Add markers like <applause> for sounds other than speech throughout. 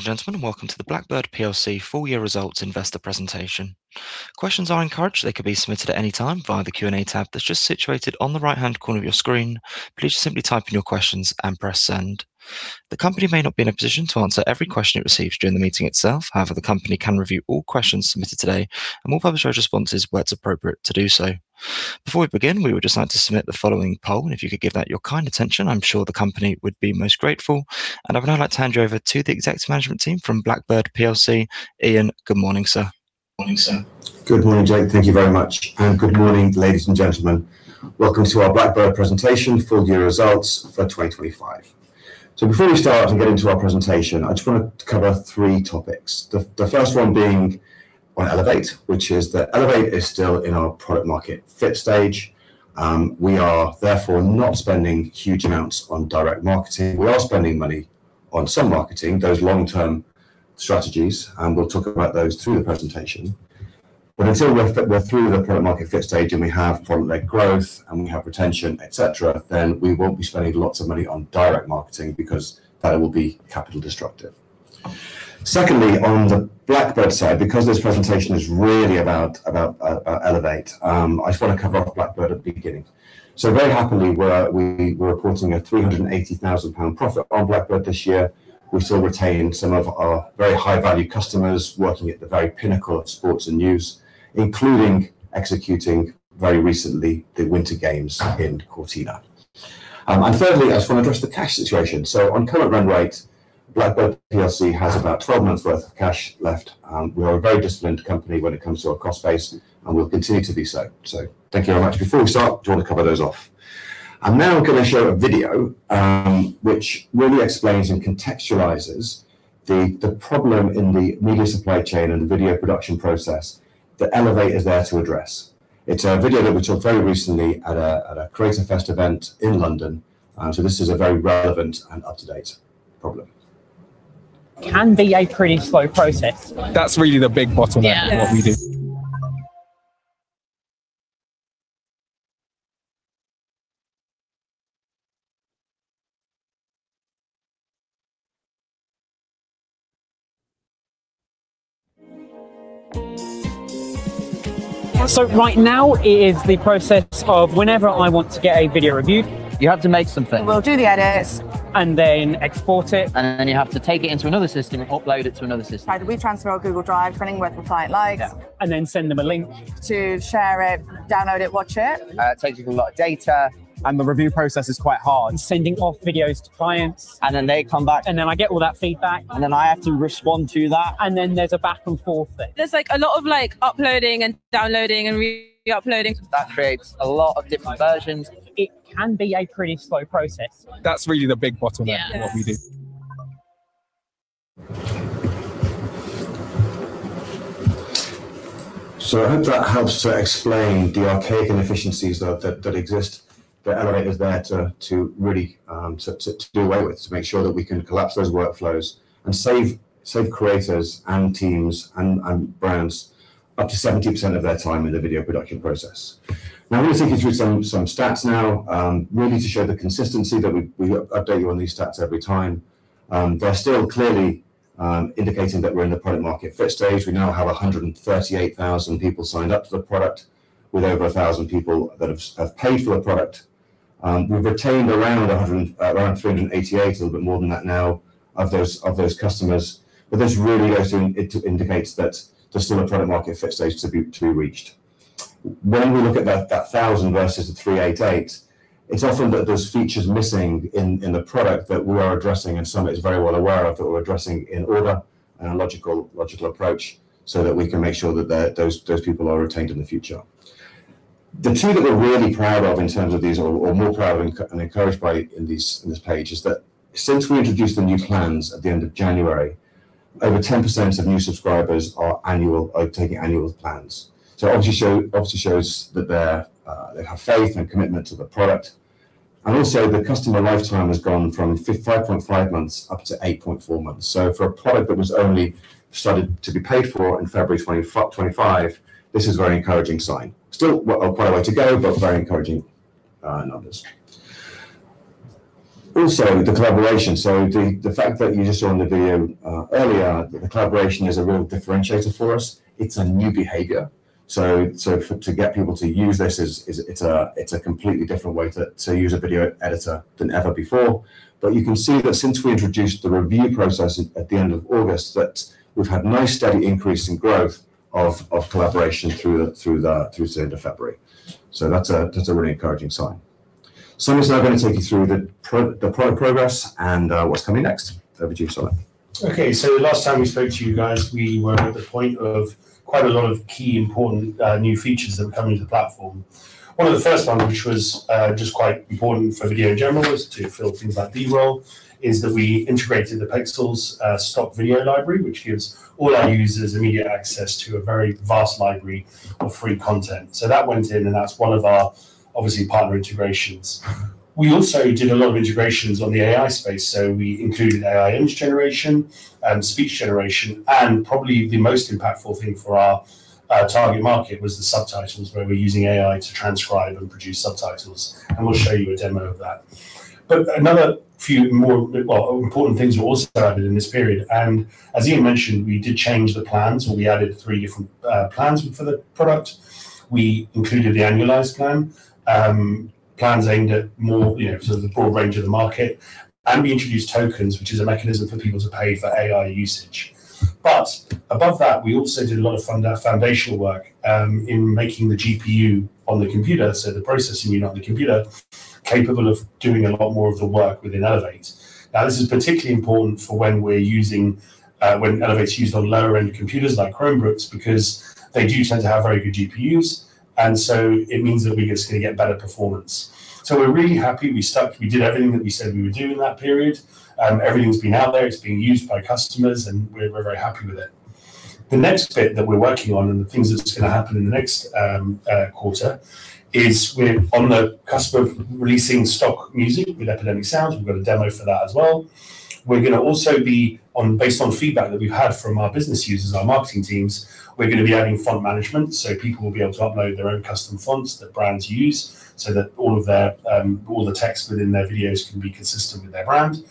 Ladies and gentlemen, welcome to the Blackbird plc full year results investor presentation. Questions are encouraged. They can be submitted at any time via the Q&A tab that's just situated on the right-hand corner of your screen. Please just simply type in your questions and press Send. The company may not be in a position to answer every question it receives during the meeting itself. However, the company can review all questions submitted today and will publish those responses where it's appropriate to do so. Before we begin, we would just like to submit the following poll, and if you could give that your kind attention, I'm sure the company would be most grateful. I would now like to hand you over to the executive management team from Blackbird plc. Ian, good morning, sir. Good morning, Jake. Thank you very much. Good morning, ladies and gentlemen. Welcome to our Blackbird presentation, full year results for 2025. Before we start and get into our presentation, I just want to cover three topics. The first one being on Elevate, which is that Elevate is still in our product-market fit stage. We are therefore not spending huge amounts on direct marketing. We are spending money on some marketing, those long-term strategies, and we'll talk about those through the presentation. Until we're through the product-market fit stage, and we have product-led growth, and we have retention, et cetera, then we won't be spending lots of money on direct marketing because that will be capital destructive. Secondly, on the Blackbird side, because this presentation is really about Elevate, I just want to cover off Blackbird at the beginning. Very happily, we're reporting a 380,000 pound profit on Blackbird this year. We still retain some of our very high-value customers working at the very pinnacle of sports and news, including executing very recently the Winter Games in Cortina. Thirdly, I just want to address the cash situation. On current run rate, Blackbird plc has about 12 months worth of cash left, and we are a very disciplined company when it comes to our cost base, and we'll continue to be so. Thank you very much. Before we start, I just want to cover those off. I'm now going to show a video, which really explains and contextualizes the problem in the media supply chain and the video production process that Elevate is there to address. It's a video that we shot very recently at a CreatorFest event in London. This is a very relevant and up-to-date problem. Can be a pretty slow process. That's really the big bottleneck. Yeah. in what we do. Right now it is the process of whenever I want to get a video reviewed. You have to make something. We'll do the edits. Export it. You have to take it into another system and upload it to another system. Either WeTransfer or Google Drive, depending what the client likes. Send them a link. To share it, download it, watch it. It takes up a lot of data. The review process is quite hard, sending off videos to clients. They come back. I get all that feedback. I have to respond to that. There's a back and forth bit. There's, like, a lot of, like, uploading and downloading and re-uploading. That creates a lot of different versions. It can be a pretty slow process. That's really the big bottleneck. Yeah. in what we do. I hope that helps to explain the archaic inefficiencies that exist, that Elevate is there to really do away with, to make sure that we can collapse those workflows and save creators and teams and brands up to 70% of their time in the video production process. Now, I'm gonna take you through some stats now, really to show the consistency that we update you on these stats every time. They're still clearly indicating that we're in the product-market fit stage. We now have 138,000 people signed up to the product with over 1,000 people that have paid for the product. We've retained around three hundred and eighty-eight, a little bit more than that now, of those customers. This really goes to indicate that there's still a product-market fit stage to be reached. When we look at that 1,000 versus the 388, it's often that there's features missing in the product that we are addressing, and Sumit is very well aware of that we're addressing in order and a logical approach so that we can make sure that those people are retained in the future. The two that we're really proud of in terms of these or more proud and encouraged by in this page is that since we introduced the new plans at the end of January, over 10% of new subscribers are taking annual plans. Obviously shows that they have faith and commitment to the product. Also the customer lifetime has gone from 5.5 months up to 8.4 months. For a product that was only started to be paid for in February 2025, this is a very encouraging sign. Still quite a way to go, but very encouraging numbers. Also, the collaboration. The fact that you just saw in the video earlier, the collaboration is a real differentiator for us. It's a new behavior. To get people to use this is, it's a completely different way to use a video editor than ever before. You can see that since we introduced the review process at the end of August, that we've had nice steady increase in growth of collaboration through to the end of February. That's a really encouraging sign. Sumit now gonna take you through the product progress and what's coming next. Over to you, Sumit. Okay. Last time we spoke to you guys, we were at the point of quite a lot of key important new features that were coming to the platform. One of the first ones, which was just quite important for video in general was to fill things like B-roll, is that we integrated the Pexels stock video library, which gives all our users immediate access to a very vast library of free content. That went in, and that's one of our obviously partner integrations. We also did a lot of integrations on the AI space, so we included AI image generation, speech generation, and probably the most impactful thing for our target market was the subtitles, where we're using AI to transcribe and produce subtitles, and we'll show you a demo of that. Another few more important things were also added in this period. As Ian mentioned, we did change the plans, and we added three different plans for the product. We included the annualized plan, plans aimed at more, you know, sort of the broad range of the market, and we introduced tokens, which is a mechanism for people to pay for AI usage. Above that, we also did a lot of foundational work in making the GPU on the computer, so the processing unit on the computer, capable of doing a lot more of the work within Elevate. Now, this is particularly important for when we're using, when Elevate's used on lower-end computers like Chromebooks because they do tend to have very good GPUs, and so it means that we're just gonna get better performance. So we're really happy. We did everything that we said we would do in that period. Everything's been out there, it's being used by customers, and we're very happy with it. The next bit that we're working on and the things that's gonna happen in the next quarter is we're on the cusp of releasing stock music with Epidemic Sound. We've got a demo for that as well. Based on feedback that we've had from our business users, our marketing teams, we're gonna be adding font management, so people will be able to upload their own custom fonts that brands use so that all of their text within their videos can be consistent with their brand.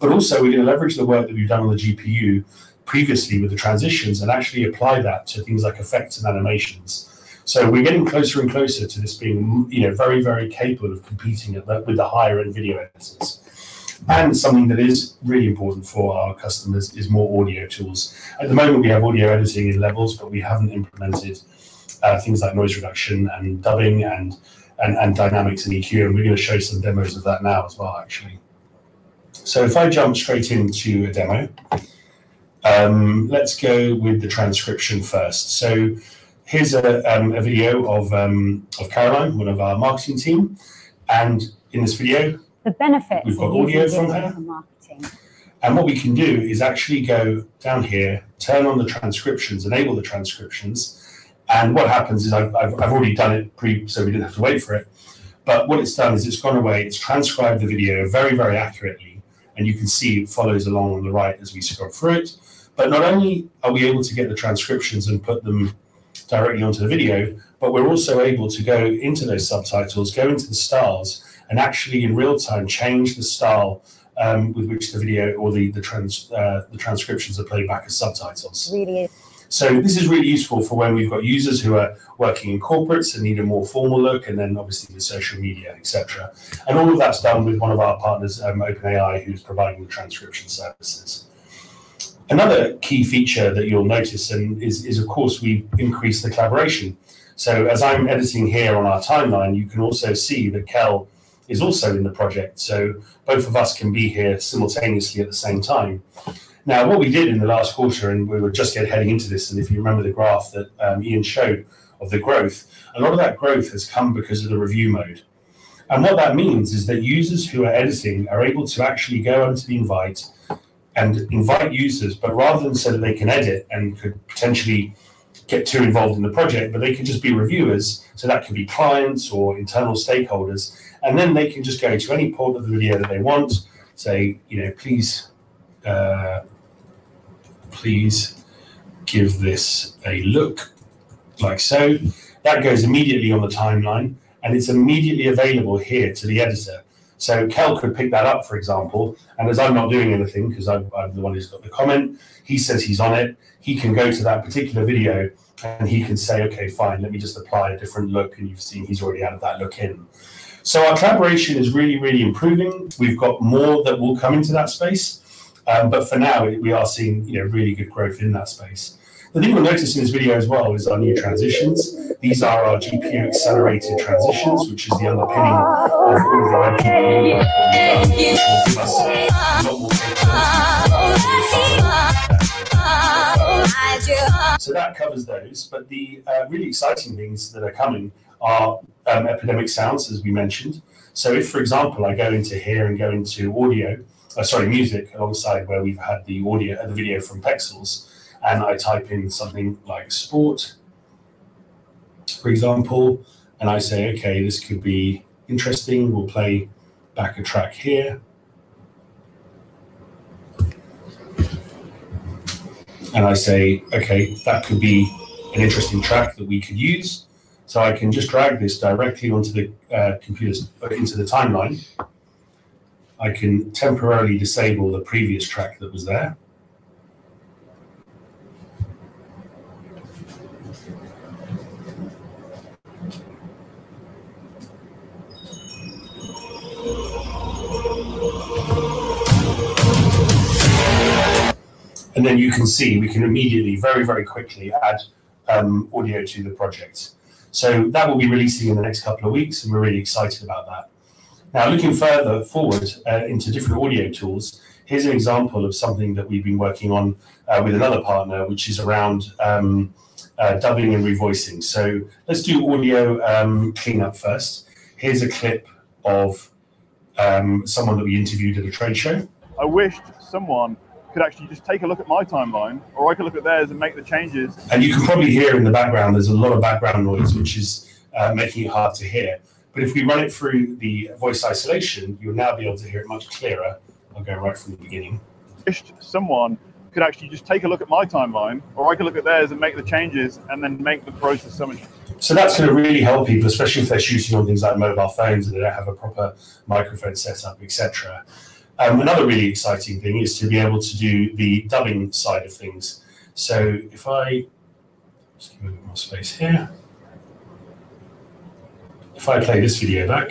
Also, we're gonna leverage the work that we've done on the GPU previously with the transitions and actually apply that to things like effects and animations. We're getting closer and closer to this being you know, very, very capable of competing with the higher-end video editors. Something that is really important for our customers is more audio tools. At the moment, we have audio editing in levels, but we haven't implemented things like noise reduction and dubbing and dynamics and EQ, and we're gonna show some demos of that now as well, actually. If I jump straight into a demo, let's go with the transcription first. Here's a video of Caroline, one of our marketing team, and in this video The benefit that you can get. We've got audio from her. from marketing. What we can do is actually go down here, turn on the transcriptions, enable the transcriptions, and what happens is I've already done it pre, so we didn't have to wait for it. But what it's done is it's gone away, it's transcribed the video very, very accurately, and you can see it follows along on the right as we scrub through it. But not only are we able to get the transcriptions and put them directly onto the video, but we're also able to go into those subtitles, go into the styles, and actually in real-time change the style with which the video or the transcriptions are played back as subtitles. Really- This is really useful for when we've got users who are working in corporates and need a more formal look, and then obviously the social media, et cetera. All of that's done with one of our partners, OpenAI, who's providing the transcription services. Another key feature that you'll notice is of course we've increased the collaboration. As I'm editing here on our timeline, you can also see that Cal is also in the project, so both of us can be here simultaneously at the same time. Now, what we did in the last quarter, and we were just heading into this, and if you remember the graph that Ian showed of the growth, a lot of that growth has come because of the review mode. What that means is that users who are editing are able to actually go onto the invite and invite users, but rather than say that they can edit and could potentially get too involved in the project, but they can just be reviewers, so that can be clients or internal stakeholders, and then they can just go to any part of the video that they want, say, you know, "Please, please give this a look," like so. That goes immediately on the timeline, and it's immediately available here to the editor. Cal could pick that up, for example, and as I'm not doing anything because I'm the one who's got the comment, he says he's on it. He can go to that particular video, and he can say, "Okay, fine, let me just apply a different look," and you've seen he's already added that look in. Our collaboration is really, really improving. We've got more that will come into that space, but for now, we are seeing, you know, really good growth in that space. The thing you'll notice in this video as well is our new transitions. These are our GPU-accelerated transitions, which is the underpinning of all the animation work that we've done, which gives us a lot more capability. <audio distortion> That covers those, but the really exciting things that are coming are Epidemic Sounds, as we mentioned. If, for example, I go into here and go into music alongside where we've had the audio, the video from Pexels, and I type in something like sport, for example, and I say, okay, this could be interesting. We'll play back a track here. I say, okay, that could be an interesting track that we could use. I can just drag this directly into the timeline. I can temporarily disable the previous track that was there. Then you can see, we can immediately, very, very quickly add audio to the project. That will be releasing in the next couple of weeks, and we're really excited about that. Now, looking further forward into different audio tools, here's an example of something that we've been working on with another partner, which is around dubbing and revoicing. Let's do audio cleanup first. Here's a clip of someone that we interviewed at a trade show. I wished someone could actually just take a look at my timeline or I could look at theirs and make the changes. You can probably hear in the background, there's a lot of background noise, which is making it hard to hear. If we run it through the voice isolation, you'll now be able to hear it much clearer. I'll go right from the beginning. Wish someone could actually just take a look at my timeline, or I could look at theirs and make the changes and then make the process so much. That's gonna really help people, especially if they're shooting on things like mobile phones, and they don't have a proper microphone setup, et cetera. Another really exciting thing is to be able to do the dubbing side of things. If I play this video back,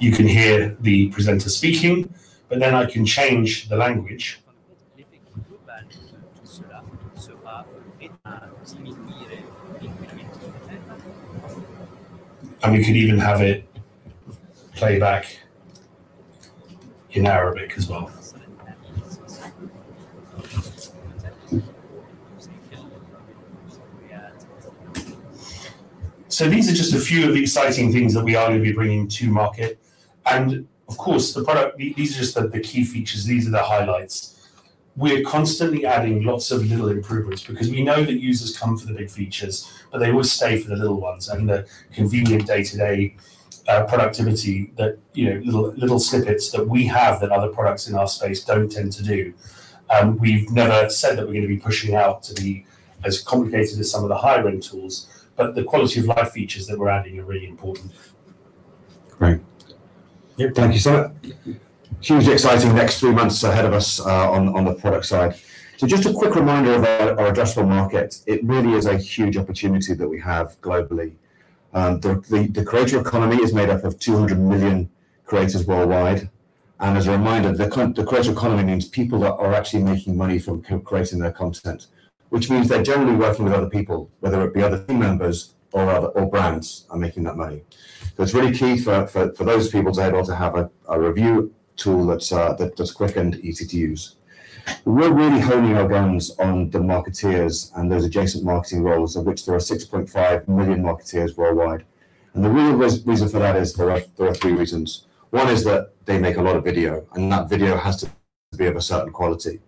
you can hear the presenter speaking, but then I can change the language. We could even have it play back in Arabic as well. These are just a few of the exciting things that we are gonna be bringing to market, and of course, the product. These are just the key features. These are the highlights. We're constantly adding lots of little improvements because we know that users come for the big features, but they always stay for the little ones and the convenient day-to-day productivity that, you know, little snippets that we have that other products in our space don't tend to do. We've never said that we're gonna be pushing out to be as complicated as some of the higher-end tools, but the quality-of-life features that we're adding are really important. Great. Thank you, Sumit. Hugely exciting next three months ahead of us on the product side. Just a quick reminder about our addressable market. It really is a huge opportunity that we have globally. The creator economy is made up of 200 million creators worldwide, and as a reminder, the creator economy means people are actually making money from creating their content, which means they're generally working with other people, whether it be other team members or brands are making that money. It's really key for those people to be able to have a review tool that's quick and easy to use. We're really honing our guns on the marketeers and those adjacent marketing roles, of which there are 6.5 million marketeers worldwide, and the real reason for that is there are three reasons. One is that they make a lot of video, and that video has to be of a certain quality.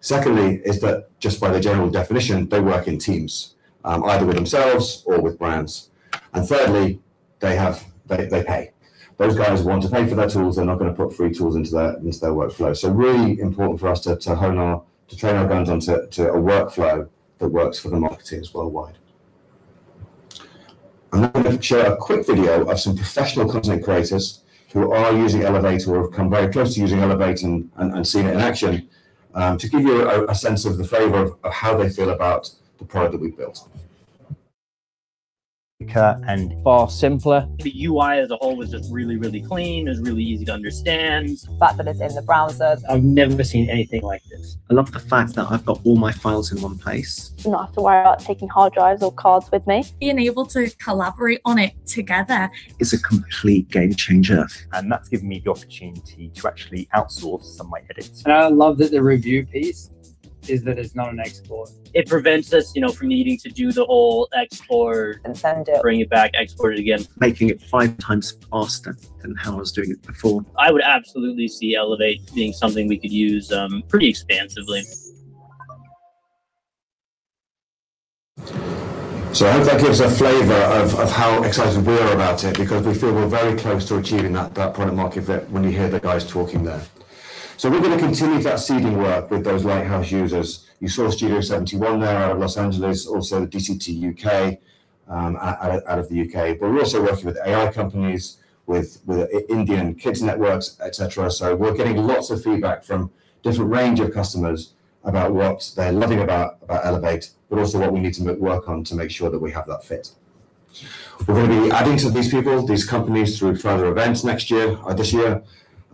Secondly is that just by the general definition, they work in teams, either with themselves or with brands. Thirdly, they pay. Those guys want to pay for their tools. They're not gonna put free tools into their workflow. Really important for us to train our guns onto a workflow that works for the marketeers worldwide. I'm now gonna share a quick video of some professional content creators who are using Elevate or have come very close to using Elevate and seen it in action, to give you a sense of the flavor of how they feel about the product that we've built. Quicker and far simpler. The UI as a whole was just really, really clean. It was really easy to understand. The fact that it's in the browser. I've never seen anything like this. I love the fact that I've got all my files in one place. I don't have to worry about taking hard drives or cards with me. Being able to collaborate on it together is a complete game changer. That's given me the opportunity to actually outsource some of my edits. I love that the review piece is that it's not an export. It prevents us, you know, from needing to do the whole export and send it, bring it back, export it again, making it five times faster than how I was doing it before. I would absolutely see Elevate being something we could use pretty expansively. I hope that gives a flavor of how excited we are about it because we feel we're very close to achieving that product-market fit when you hear the guys talking there. We're gonna continue that seeding work with those lighthouse users. You saw Studio71 there out of Los Angeles, also DCTUK out of the U.K. But we're also working with AI companies, with Indian kids networks, et cetera. We're getting lots of feedback from different range of customers about what they're loving about Elevate but also what we need to work on to make sure that we have that fit. We're gonna be adding to these people, these companies, through further events next year, or this year,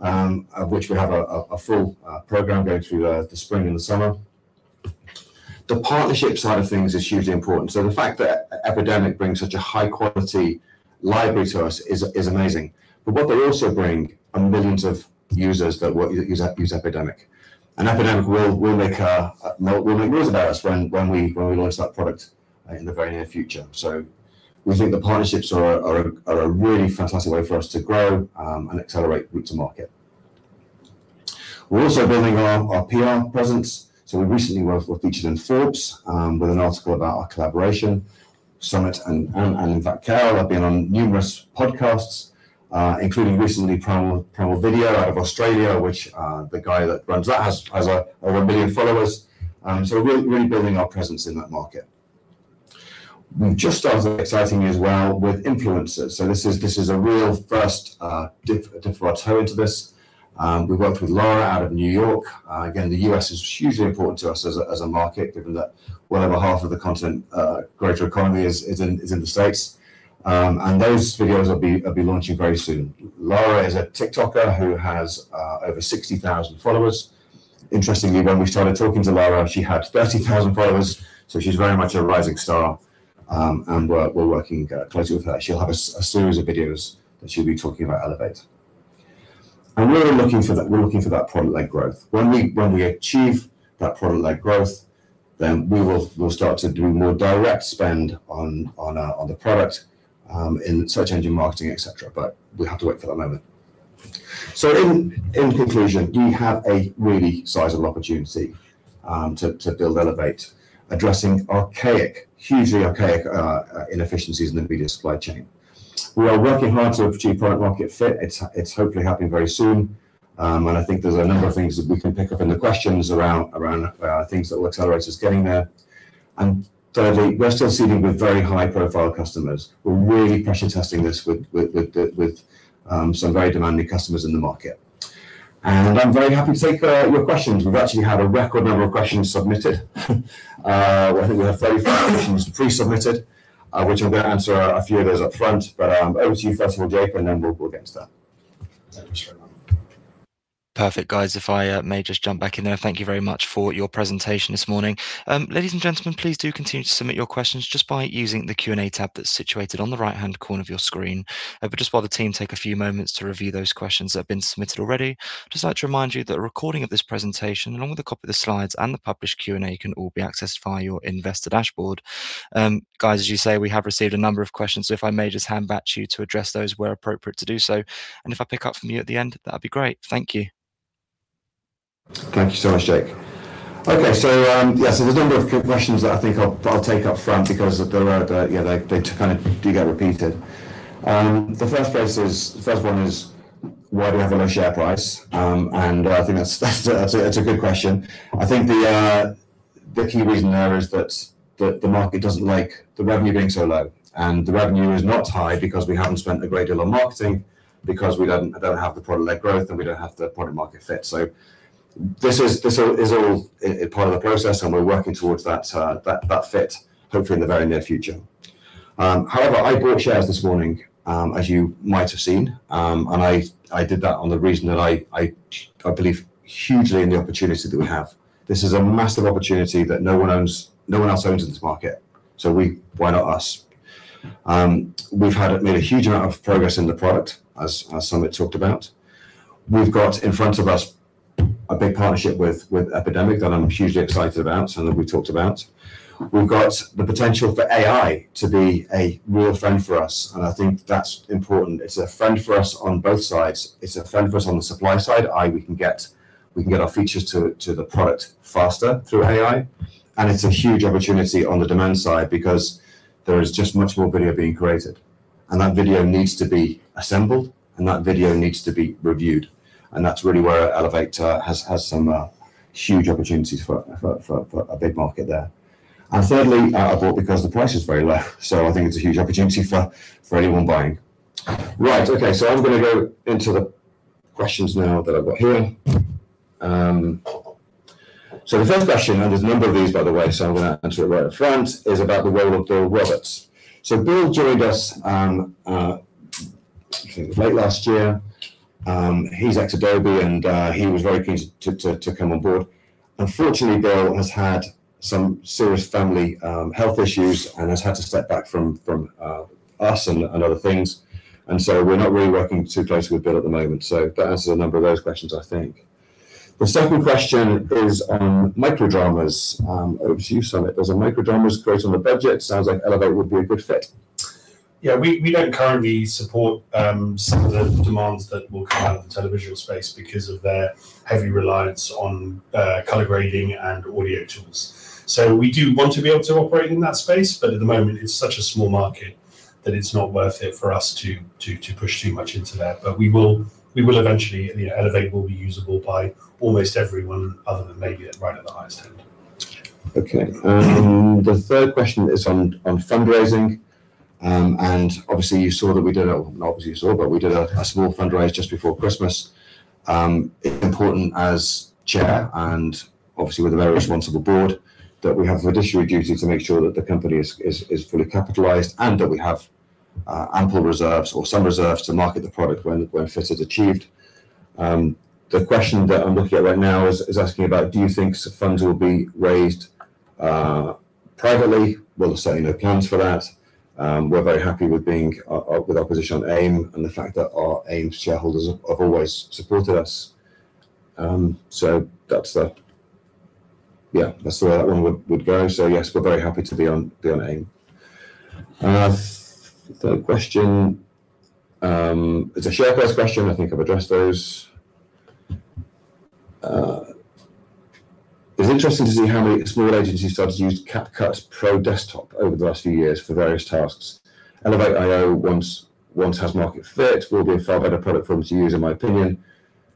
of which we have a full program going through the spring and the summer. The partnership side of things is hugely important. The fact that Epidemic brings such a high-quality library to us is amazing. What they also bring are millions of users that use Epidemic. Epidemic will make noise about us when we launch that product in the very near future. We think the partnerships are a really fantastic way for us to grow and accelerate route to market. We're also building our PR presence. We recently were featured in Forbes with an article about our collaboration. Sumit and in fact Carol have been on numerous podcasts, including recently Primal Video out of Australia, which the guy that runs that has over a million followers. We're really building our presence in that market. We've just started something exciting as well with influencers. This is a real first, dip of our toe into this. We worked with Laura out of New York. Again, the U.S. is hugely important to us as a market, given that well over half of the content creator economy is in the States. Those videos will be launching very soon. Laura is a TikToker who has over 60,000 followers. Interestingly, when we started talking to Laura, she had 30,000 followers, so she's very much a rising star. We're working closely with her. She'll have a series of videos that she'll be talking about Elevate. We're looking for that product-led growth. When we achieve that product-led growth, then we'll start to do more direct spend on the product in search engine marketing, et cetera, but we have to wait for that moment. In conclusion, we have a really sizable opportunity to build Elevate, addressing archaic, hugely archaic inefficiencies in the media supply chain. We are working hard to achieve product-market fit. It's hopefully happening very soon. I think there's a number of things that we can pick up in the questions around things that will accelerate us getting there. Thirdly, we're still seeding with very high-profile customers. We're really pressure testing this with some very demanding customers in the market. I'm very happy to take your questions. We've actually had a record number of questions submitted. I think we had 35 questions pre-submitted, which I'm gonna answer a few of those up front. Over to you first of all, Jake, and then we'll get into that. Thank you so much. Perfect, guys. If I may just jump back in there. Thank you very much for your presentation this morning. Ladies and gentlemen, please do continue to submit your questions just by using the Q&A tab that's situated on the right-hand corner of your screen. But just while the team take a few moments to review those questions that have been submitted already, just like to remind you that a recording of this presentation, along with a copy of the slides and the published Q&A, can all be accessed via your investor dashboard. Guys, as you say, we have received a number of questions, so if I may just hand back to you to address those where appropriate to do so. If I pick up from you at the end, that'd be great. Thank you. Thank you so much, Jake. Okay. Yes, there's a number of quick questions that I think I'll take up front because they were, yeah, they kind of do get repeated. The first one is, why do we have a low share price? I think that's a good question. I think the key reason there is that the market doesn't like the revenue being so low, and the revenue is not high because we haven't spent a great deal on marketing, because we don't have the product-led growth, and we don't have the product-market fit. This is all a part of the process, and we're working towards that fit, hopefully in the very near future. However, I bought shares this morning, as you might have seen, and I did that on the reason that I believe hugely in the opportunity that we have. This is a massive opportunity that no one owns, no one else owns in this market. Why not us? We've had made a huge amount of progress in the product, as Sumit talked about. We've got in front of us a big partnership with Epidemic that I'm hugely excited about and that we talked about. We've got the potential for AI to be a real friend for us, and I think that's important. It's a friend for us on both sides. It's a friend for us on the supply side. We can get our features to the product faster through AI, and it's a huge opportunity on the demand side because there is just much more video being created. That video needs to be assembled, and that video needs to be reviewed. That's really where Elevate has some huge opportunities for a big market there. Thirdly, I bought because the price is very low, so I think it's a huge opportunity for anyone buying. Right. Okay. I'm gonna go into the questions now that I've got here. The first question, and there's a number of these, by the way, so I'm gonna answer it right up front, is about the role of Bill Roberts. Bill joined us, I think it was late last year. He's ex-Adobe, and he was very keen to come on board. Unfortunately, Bill has had some serious family health issues and has had to step back from us and other things. We're not really working too closely with Bill at the moment. That answers a number of those questions, I think. The second question is on micro dramas. Over to you, Sumit. Does a micro dramas create on a budget? Sounds like Elevate would be a good fit. Yeah. We don't currently support some of the demands that will come out of the televisual space because of their heavy reliance on color grading and audio tools. We do want to be able to operate in that space, but at the moment, it's such a small market that it's not worth it for us to push too much into that. We will eventually. You know, Elevate will be usable by almost everyone other than maybe right at the highest end. Okay. The third question is on fundraising. And obviously you saw that we did a small fundraise just before Christmas. It's important as Chair, and obviously with a very responsible board, that we have a fiduciary duty to make sure that the company is fully capitalized and that we have ample reserves or some reserves to market the product when fit is achieved. The question that I'm looking at right now is asking about do you think funds will be raised privately? Well, there's certainly no plans for that. We're very happy with our position on AIM and the fact that our AIM shareholders have always supported us. So that's the way that one would go. Yes, we're very happy to be on AIM. Third question, it's a share price question. I think I've addressed those. It's interesting to see how many small agencies started to use CapCut's Pro desktop over the last few years for various tasks. elevate.io, once it has market fit, will be a far better product for them to use, in my opinion,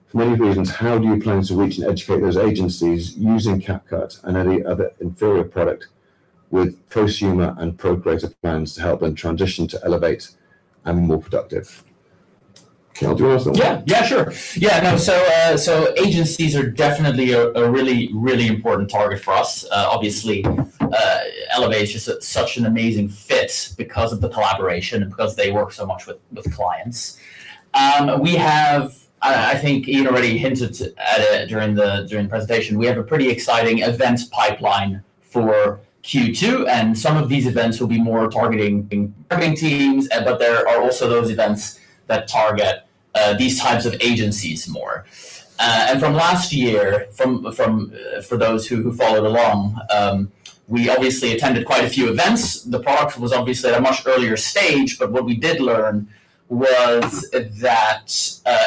for many reasons. How do you plan to reach and educate those agencies using CapCut and any other inferior product with prosumer and pro-grade plans to help them transition to elevate.io and be more productive? Okay, do you want this one? Sure. Agencies are definitely a really important target for us. Obviously, Elevate is just such an amazing fit because of the collaboration and because they work so much with clients. I think Ian already hinted at it during the presentation. We have a pretty exciting events pipeline for Q2, and some of these events will be more targeting teams, but there are also those events that target these types of agencies more. From last year, for those who followed along, we obviously attended quite a few events. The product was obviously at a much earlier stage, but what we did learn was that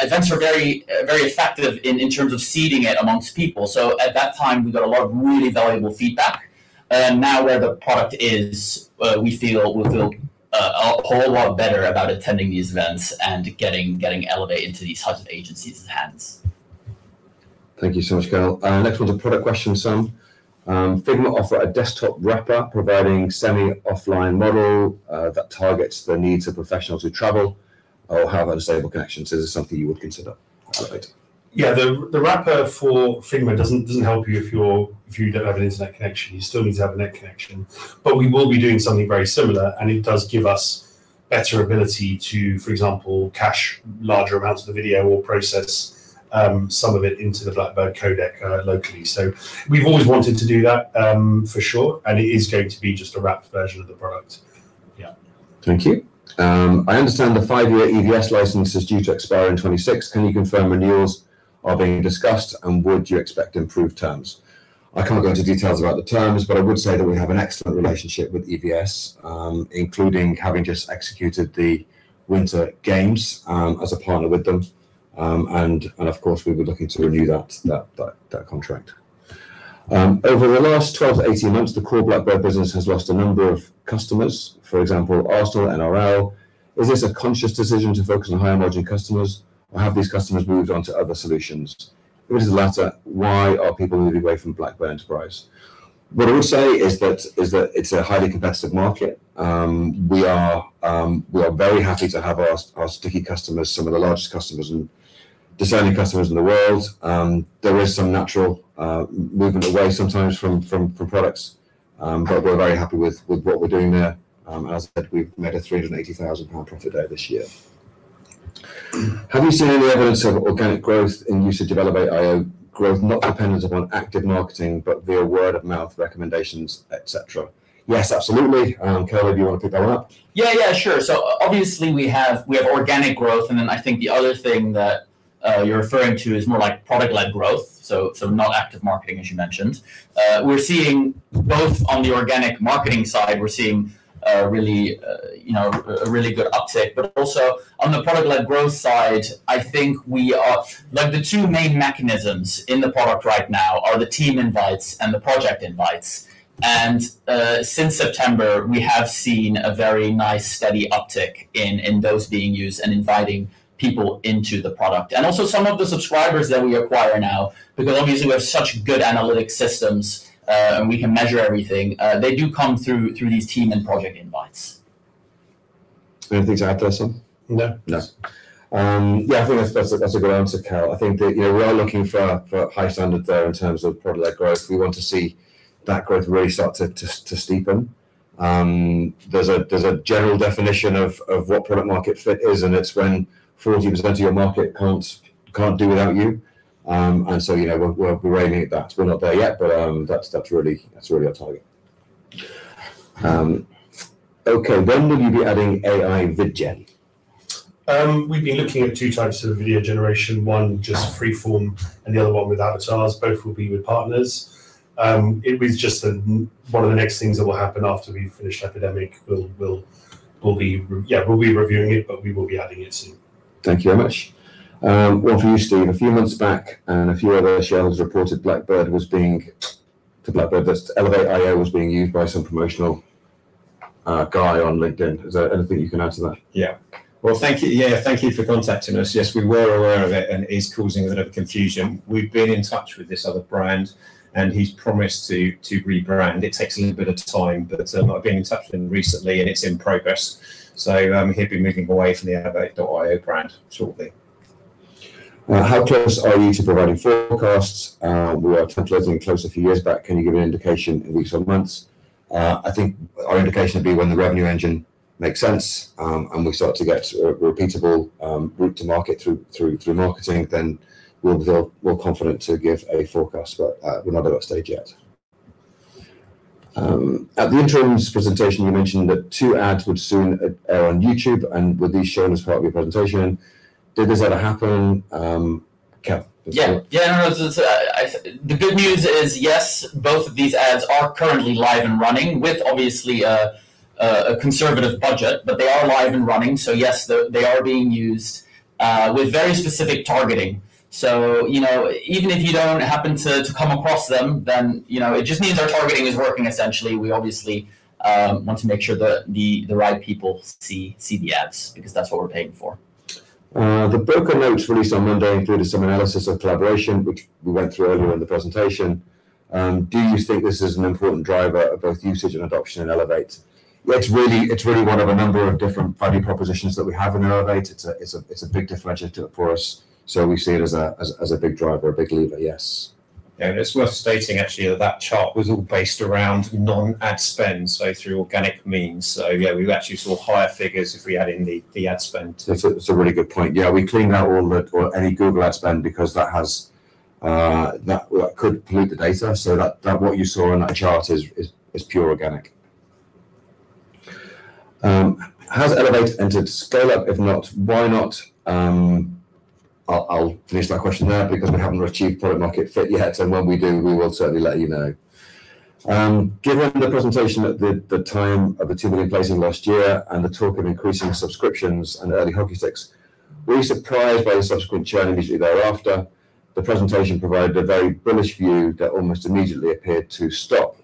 events are very effective in terms of seeding it amongst people. At that time, we got a lot of really valuable feedback. Now where the product is, we feel a whole lot better about attending these events and getting Elevate into these types of agencies' hands. Thank you so much, Carol. Next one's a product question, Sam. Figma offer a desktop wrapper providing semi-offline model that targets the needs of professionals who travel or have unstable connections. Is this something you would consider? Over to you. Yeah. The wrapper for Figma doesn't help you if you don't have an internet connection. You still need to have an internet connection. We will be doing something very similar, and it does give us better ability to, for example, cache larger amounts of the video or process some of it into the Blackbird codec locally. We've always wanted to do that, for sure, and it is going to be just a wrapped version of the product. Yeah. Thank you. I understand the five-year EVS license is due to expire in 2026. Can you confirm renewals are being discussed, and would you expect improved terms? I can't go into details about the terms, but I would say that we have an excellent relationship with EVS, including having just executed the Winter Games, as a partner with them. Of course, we'll be looking to renew that contract. Over the last 12-18 months, the core Blackbird business has lost a number of customers. For example, Arsenal, NRL. Is this a conscious decision to focus on higher-margin customers, or have these customers moved on to other solutions? If it is the latter, why are people moving away from Blackbird Enterprise? What I would say is that it's a highly competitive market. We are very happy to have our sticky customers, some of the largest customers and discerning customers in the world. There is some natural movement away sometimes from products. But we're very happy with what we're doing there. As I said, we've made a 380,000 pound profit out this year. Have you seen any evidence of organic growth in usage of elevate.io growth not dependent upon active marketing, but via word of mouth recommendations, et cetera? Yes, absolutely. Carol, do you wanna pick that one up? Yeah, yeah, sure. Obviously, we have organic growth, and then I think the other thing that you're referring to is more like product-led growth, so not active marketing, as you mentioned. We're seeing both on the organic marketing side. We're seeing a really good uptick. Also, on the product-led growth side, I think we are. Like the two main mechanisms in the product right now are the team invites and the project invites. Since September, we have seen a very nice steady uptick in those being used and inviting people into the product. Also some of the subscribers that we acquire now, because obviously we have such good analytic systems and we can measure everything, they do come through these team and project invites. Anything to add to that, Sam? No. No. Yeah, I think that's a good answer, Carol. I think that, you know, we are looking for high standard there in terms of product-led growth. We want to see that growth really start to steepen. There's a general definition of what product-market fit is, and it's when 40% of your market can't do without you. You know, we're aiming at that. We're not there yet, but that's really our target. Okay. When will you be adding AI vid gen? We've been looking at two types of video generation, one just free form and the other one with avatars. Both will be with partners. It was just one of the next things that will happen after we've finished Epidemic. Yeah, we'll be reviewing it, but we will be adding it soon. Thank you very much. One for you, Steve. A few months back, a few other channels reported that Blackbird, that's elevate.io, was being used by some professional guy on LinkedIn. Is there anything you can add to that? Yeah. Well, thank you. Yeah, thank you for contacting us. Yes, we were aware of it, and it is causing a bit of confusion. We've been in touch with this other brand, and he's promised to rebrand. It takes a little bit of time, but I've been in touch with him recently, and it's in progress. He'll be moving away from the elevate.io brand shortly. How close are you to providing forecasts? We were getting close a few years back. Can you give an indication in weeks or months? I think our indication would be when the revenue engine makes sense, and we start to get a repeatable route to market through marketing. Then we'll feel more confident to give a forecast. We're not at that stage yet. At the interims presentation, you mentioned that two ads would soon air on YouTube. Would these be shown as part of your presentation? Did this ever happen? Cal. Yeah. Yeah, no. The good news is yes, both of these ads are currently live and running with obviously a conservative budget. They are live and running, so yes, they are being used with very specific targeting. You know, even if you don't happen to come across them, then you know, it just means our targeting is working essentially. We obviously want to make sure the right people see the ads because that's what we're paying for. The broker notes released on Monday included some analysis of collaboration, which we went through earlier in the presentation. Do you think this is an important driver of both usage and adoption in Elevate? Yeah, it's really one of a number of different value propositions that we have in Elevate. It's a big differentiator for us. We see it as a big driver, a big lever, yes. It's worth stating actually that that chart was all based around non-ad spend, so through organic means. Yeah, we've actually saw higher figures if we add in the ad spend. That's a really good point. Yeah, we cleaned out all the or any Google ad spend because that has that could pollute the data. That what you saw in that chart is pure organic. Has elevate.io entered scale up? If not, why not? I'll finish that question there because we haven't achieved product-market fit yet, and when we do, we will certainly let you know. Given the presentation at the time of the 2 million placing last year and the talk of increasing subscriptions and early hockey sticks, were you surprised by the subsequent churn immediately thereafter? The presentation provided a very bullish view that almost immediately appeared to stop.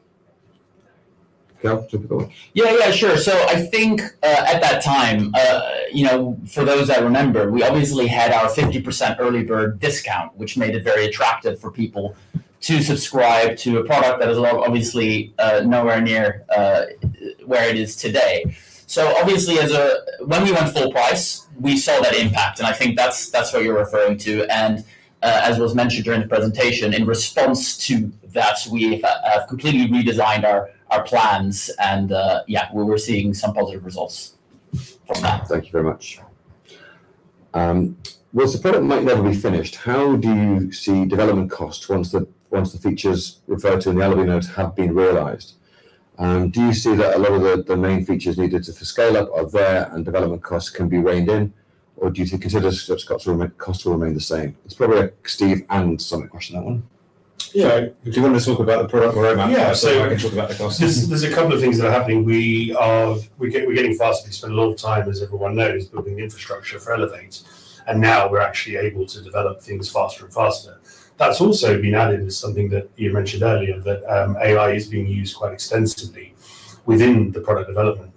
Cal, do you want to go on? Yeah, yeah, sure. I think at that time, you know, for those that remember, we obviously had our 50% early bird discount, which made it very attractive for people to subscribe to a product that is a lot obviously nowhere near where it is today. Obviously when we went full price, we saw that impact, and I think that's what you're referring to. As was mentioned during the presentation, in response to that, we have completely redesigned our plans and yeah, we're seeing some positive results from that. Thank you very much. Well, the product might never be finished. How do you see development costs once the features referred to in the Elevate notes have been realized? Do you see that a lot of the main features needed to scale up are there and development costs can be reined in? Or do you think such costs will remain the same? It's probably a Steve and Sumit question, that one. Yeah. Do you want to talk about the product roadmap? Yeah. I can talk about the costs. There's a couple of things that are happening. We're getting faster. We spend a lot of time, as everyone knows, building the infrastructure for Elevate, and now we're actually able to develop things faster and faster. That's also been added as something that you mentioned earlier, that, AI is being used quite extensively within the product development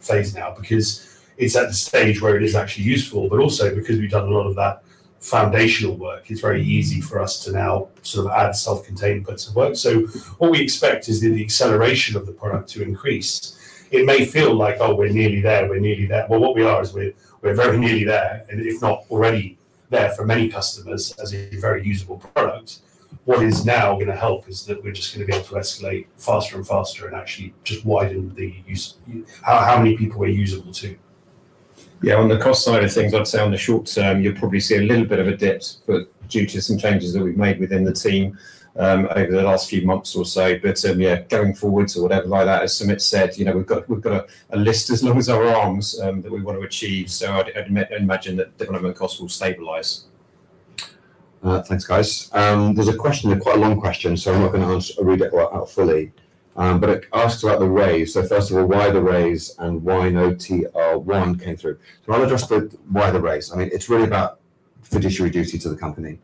phase now because it's at the stage where it is actually useful, but also because we've done a lot of that foundational work, it's very easy for us to now sort of add self-contained bits of work. What we expect is the acceleration of the product to increase. It may feel like, "Oh, we're nearly there, we're nearly there." What we are is we're very nearly there, and if not already there for many customers as a very usable product. What is now gonna help is that we're just gonna be able to accelerate faster and faster and actually just widen the use to how many people we're able to. Yeah. On the cost side of things, I'd say on the short term, you'll probably see a little bit of a dip, but due to some changes that we've made within the team, over the last few months or so. Yeah, going forwards or whatever like that, as Sumit said, you know, we've got a list as long as our arms that we want to achieve. I'd imagine that development costs will stabilize. Thanks, guys. There's a question, quite a long question, so I'm not gonna read it out fully. But it asks about the raise. First of all, why the raise and why no TR-1 came through? I'll address why the raise. I mean, it's really about fiduciary duty to the company.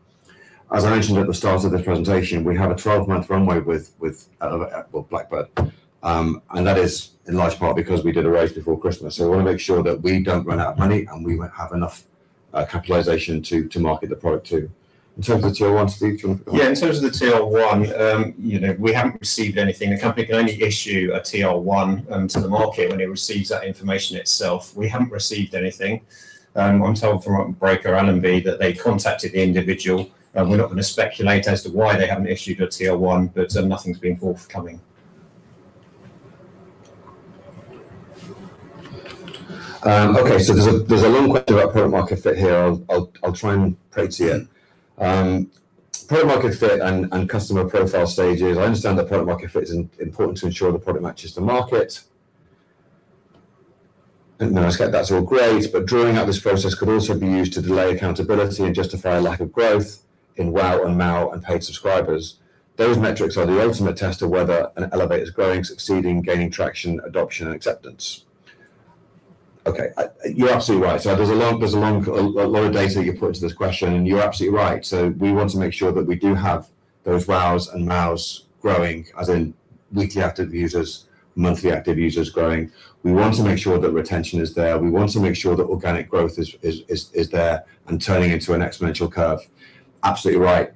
As I mentioned at the start of this presentation, we have a 12-month runway with Elevate or Blackbird. And that is in large part because we did a raise before Christmas. We want to make sure that we don't run out of money, and we won't have enough capitalization to market the product. In terms of TR-1, Steve, do you want to go? In terms of the TR-1, you know, we haven't received anything. The company can only issue a TR-1 to the market when it receives that information itself. We haven't received anything. I'm told from our broker, Allenby, that they contacted the individual. We're not gonna speculate as to why they haven't issued a TR-1, but nothing's been forthcoming. Okay. There's a long question about product-market fit here. I'll try and play it to you. Product-market fit and customer profile stages. I understand that product-market fit is important to ensure the product matches the market. I get that's all great, but drawing out this process could also be used to delay accountability and justify a lack of growth in WAU and MAU and paid subscribers. Those metrics are the ultimate test of whether an Elevate is growing, succeeding, gaining traction, adoption and acceptance. You're absolutely right. There's a long caveat to this question, and you're absolutely right. We want to make sure that we do have those WAUs and MAUs growing as in weekly active users, monthly active users growing. We want to make sure that retention is there. We want to make sure that organic growth is there and turning into an exponential curve. Absolutely right.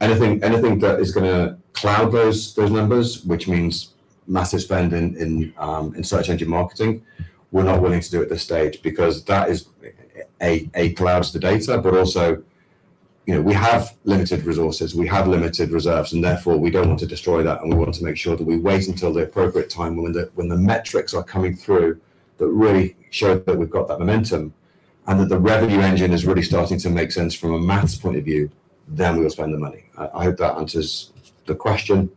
Anything that is gonna cloud those numbers, which means massive spend in search engine marketing, we're not willing to do at this stage because that is a cloud the data. Also, you know, we have limited resources, we have limited reserves, and therefore we don't want to destroy that, and we want to make sure that we wait until the appropriate time when the metrics are coming through that really show that we've got that momentum and that the revenue engine is really starting to make sense from a math point of view, then we'll spend the money. I hope that answers the question.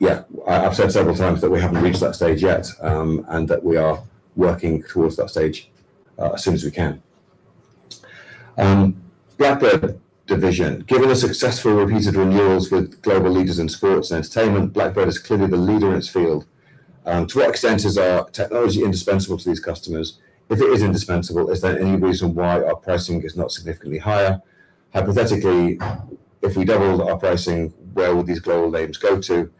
Yeah, I've said several times that we haven't reached that stage yet, and that we are working towards that stage as soon as we can. Blackbird division. Given the successful repeated renewals with global leaders in sports and entertainment, Blackbird is clearly the leader in its field. To what extent is our technology indispensable to these customers? If it is indispensable, is there any reason why our pricing is not significantly higher? Hypothetically, if we doubled our pricing, where would these global names go to?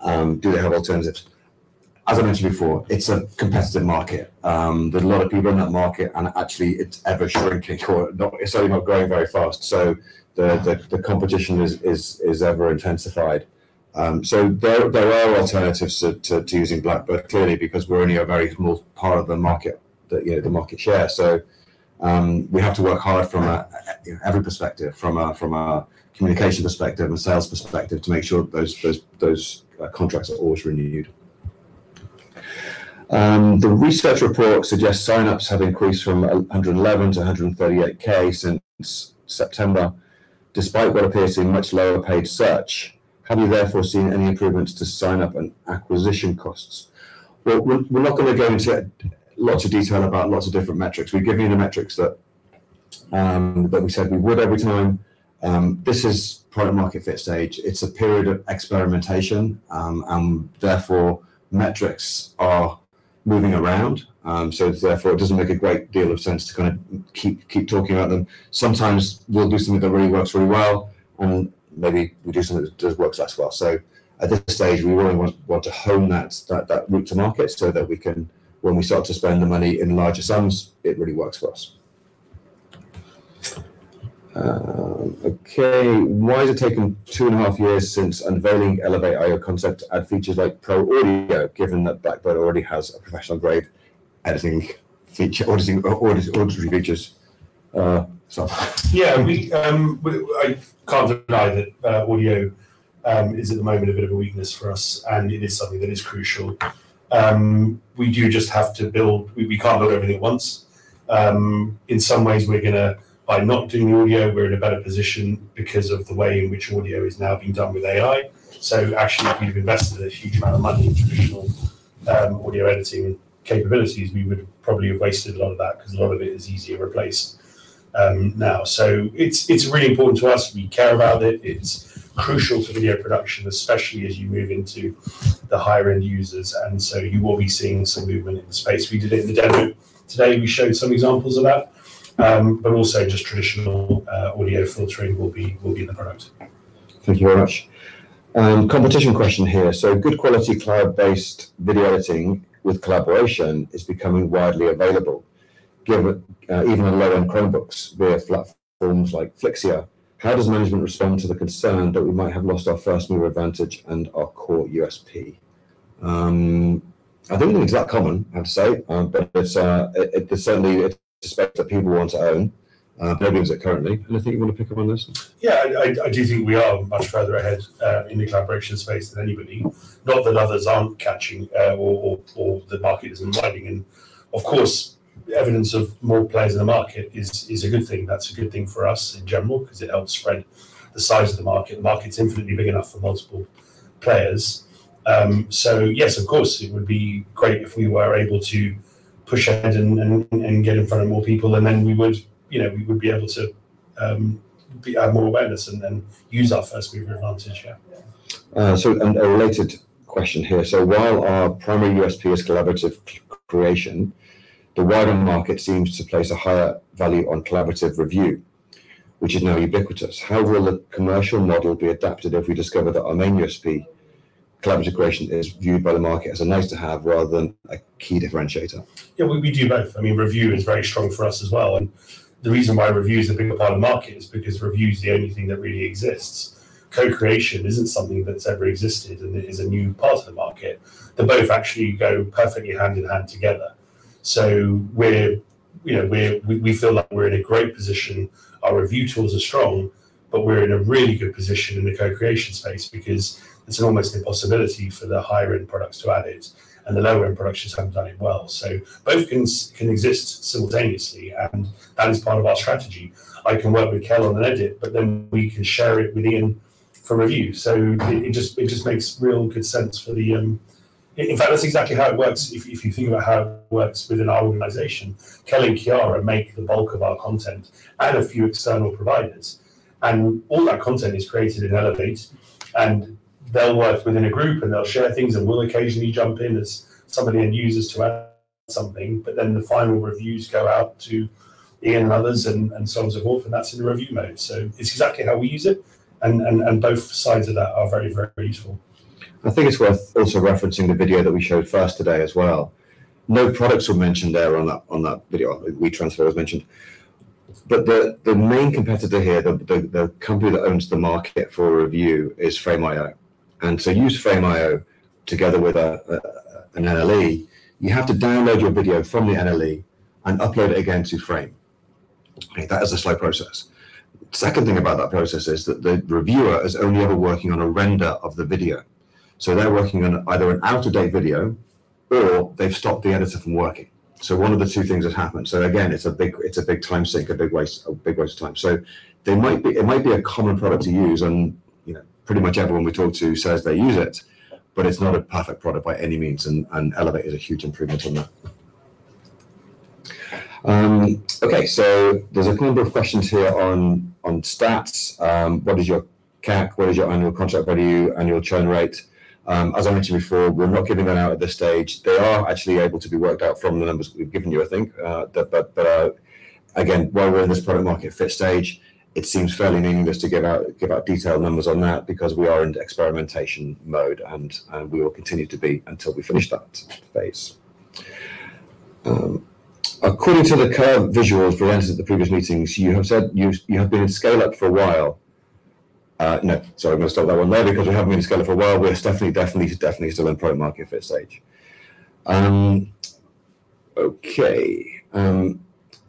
Do they have alternatives? As I mentioned before, it's a competitive market. There's a lot of people in that market, and actually it's ever-shrinking or not, it's certainly not growing very fast. The competition is ever intensified. There are alternatives to using Blackbird, clearly because we're only a very small part of the market that, you know, the market share. We have to work hard from a, you know, every perspective, from a communication perspective and sales perspective to make sure those contracts are always renewed. The research report suggests signups have increased from 111 to 138K since September, despite what appears to be much lower paid search. Have you therefore seen any improvements to signup and acquisition costs? Well, we're not going to go into lots of detail about lots of different metrics. We've given you the metrics that we said we would every time. This is product-market fit stage. It's a period of experimentation, and therefore metrics are moving around. Therefore, it doesn't make a great deal of sense to kind of keep talking about them. Sometimes we'll do something that really works really well, and maybe we do something that works less well. At this stage, we really want to hone that route to market so that we can, when we start to spend the money in larger sums, it really works for us. Why has it taken two and a half years since unveiling elevate.io concept and features like pro audio, given that Blackbird already has a professional-grade editing features? Yeah, I can't deny that audio is at the moment a bit of a weakness for us, and it is something that is crucial. We can't build everything at once. In some ways we're gonna, by not doing audio, we're in a better position because of the way in which audio is now being done with AI. Actually, if we'd have invested a huge amount of money into traditional audio editing capabilities, we would probably have wasted a lot of that because a lot of it is easily replaced now. It's really important to us. We care about it. It's crucial to video production, especially as you move into the higher-end users. You will be seeing some movement in the space. We did it in the demo today. We showed some examples of that. Also just traditional audio filtering will be in the product. Thank you very much. Competition question here. Good quality cloud-based video editing with collaboration is becoming widely available, given even on low-end Chromebooks via platforms like Flixy. How does management respond to the concern that we might have lost our first mover advantage and our core USP? I don't think it's that common, I have to say. It is certainly an aspect that people want to own. Nobody owns it currently. Anything you want to pick up on this? Yeah, I do think we are much further ahead in the collaboration space than anybody. Not that others aren't catching, or the market isn't widening. Of course, evidence of more players in the market is a good thing. That's a good thing for us in general because it helps spread the size of the market. The market's infinitely big enough for multiple players. Yes, of course, it would be great if we were able to push ahead and get in front of more people, and then we would, you know, we would be able to add more awareness and then use our first mover advantage. Yeah. A related question here. While our primary USP is collaborative creation, the wider market seems to place a higher value on collaborative review, which is now ubiquitous. How will the commercial model be adapted if we discover that our main USP, collaborative creation, is viewed by the market as a nice to have rather than a key differentiator? Yeah, we do both. I mean, review is very strong for us as well. The reason why review is a bigger part of the market is because review is the only thing that really exists. Co-creation isn't something that's ever existed, and it is a new part of the market. They both actually go perfectly hand in hand together. You know, we feel like we're in a great position. Our review tools are strong, but we're in a really good position in the co-creation space because it's almost impossibility for the higher-end products to add it, and the lower-end products just haven't done it well. Both can exist simultaneously, and that is part of our strategy. I can work with Cal on an edit, but then we can share it with Ian for review. It just makes real good sense for the. In fact, that's exactly how it works if you think about how it works within our organization. Cal and Kiara make the bulk of our content, and a few external providers. All that content is created in Elevate, and they'll work within a group, and they'll share things, and we'll occasionally jump in as some end users to add something. Then the final reviews go out to Ian and others and so on and so forth, and that's in review mode. It's exactly how we use it and both sides of that are very, very useful. I think it's worth also referencing the video that we showed first today as well. No products were mentioned there on that video. WeTransfer was mentioned. The main competitor here, the company that owns the market for review is Frame.io. To use Frame.io together with an NLE, you have to download your video from the NLE and upload it again to Frame. That is a slow process. Second thing about that process is that the reviewer is only ever working on a render of the video. They're working on either an out-of-date video or they've stopped the editor from working. One of the two things has happened. Again, it's a big time sink, a big waste of time. There might be. It might be a common product to use, and, you know, pretty much everyone we talk to says they use it, but it's not a perfect product by any means, and Elevate is a huge improvement on that. Okay. There's a couple of questions here on stats. What is your CAC? What is your annual contract value, annual churn rate? As I mentioned before, we're not giving that out at this stage. They are actually able to be worked out from the numbers we've given you, I think. Again, while we're in this product-market fit stage, it seems fairly meaningless to give out detailed numbers on that because we are in experimentation mode, and we will continue to be until we finish that phase. According to the current visual for instance at the previous meetings, you have said you have been in scale-up for a while. No, sorry, I'm gonna stop that one there because we haven't been in scale-up for a while. We're definitely still in product-market fit stage. Okay.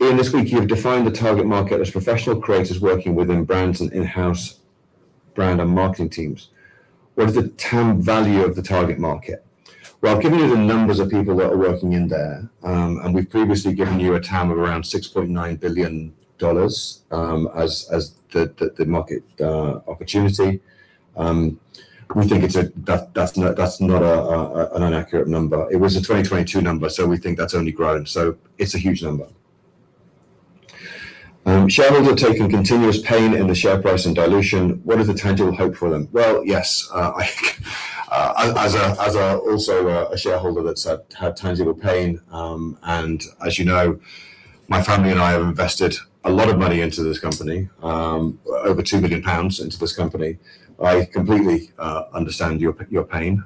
Ian, this week you've defined the target market as professional creators working within brands and in-house brand and marketing teams. What is the TAM value of the target market? Well, I've given you the numbers of people that are working in there, and we've previously given you a TAM of around $6.9 billion, as the market opportunity. We think that's not an inaccurate number. It was a 2022 number, so we think that's only grown. It's a huge number. Shareholder taking continuous pain in the share price and dilution, what is the tangible hope for them? Yes, I, as also a shareholder that's had tangible pain, and as you know, my family and I have invested a lot of money into this company, over 2 million pounds into this company. I completely understand your pain.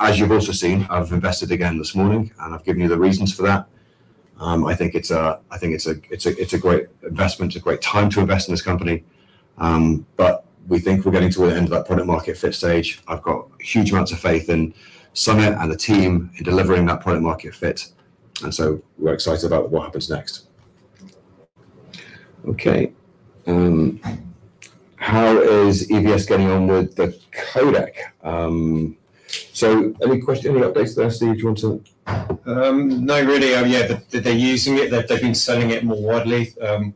As you've also seen, I've invested again this morning, and I've given you the reasons for that. I think it's a great investment, a great time to invest in this company. We think we're getting toward the end of that product-market fit stage. I've got huge amounts of faith in Sumit and the team in delivering that product-market fit, and so we're excited about what happens next. Okay. How is EVS getting on with the codec? Any question, any updates there, Steve, do you want to? Not really. Yeah, they're using it. They've been selling it more widely. Well,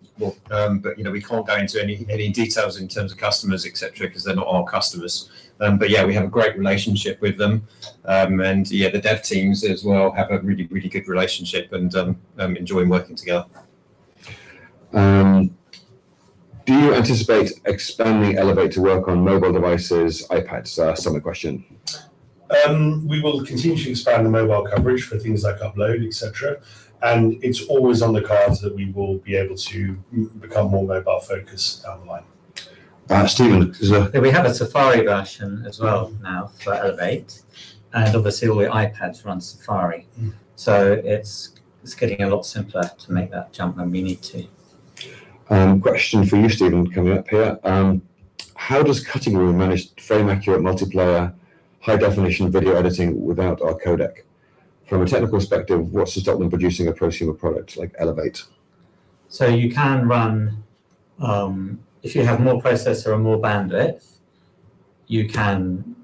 you know, we can't go into any details in terms of customers, et cetera, 'cause they're not our customers. Yeah, we have a great relationship with them. Yeah, the dev teams as well have a really good relationship and enjoying working together. Do you anticipate expanding Elevate to work on mobile devices, iPads? Sumit question. We will continue to expand the mobile coverage for things like upload, et cetera. It's always on the cards that we will be able to become more mobile focused down the line. Stephen, is a- Yeah, we have a Safari version as well now for Elevate, and obviously, all the iPads run Safari. It's getting a lot simpler to make that jump when we need to. Question for you, Stephen, coming up here. How does CuttingRoom manage frame accurate multiplayer high-definition video editing without our codec? From a technical perspective, what's to stop them producing a prosumer product like elevate.io? You can run, if you have more processor and more bandwidth, you can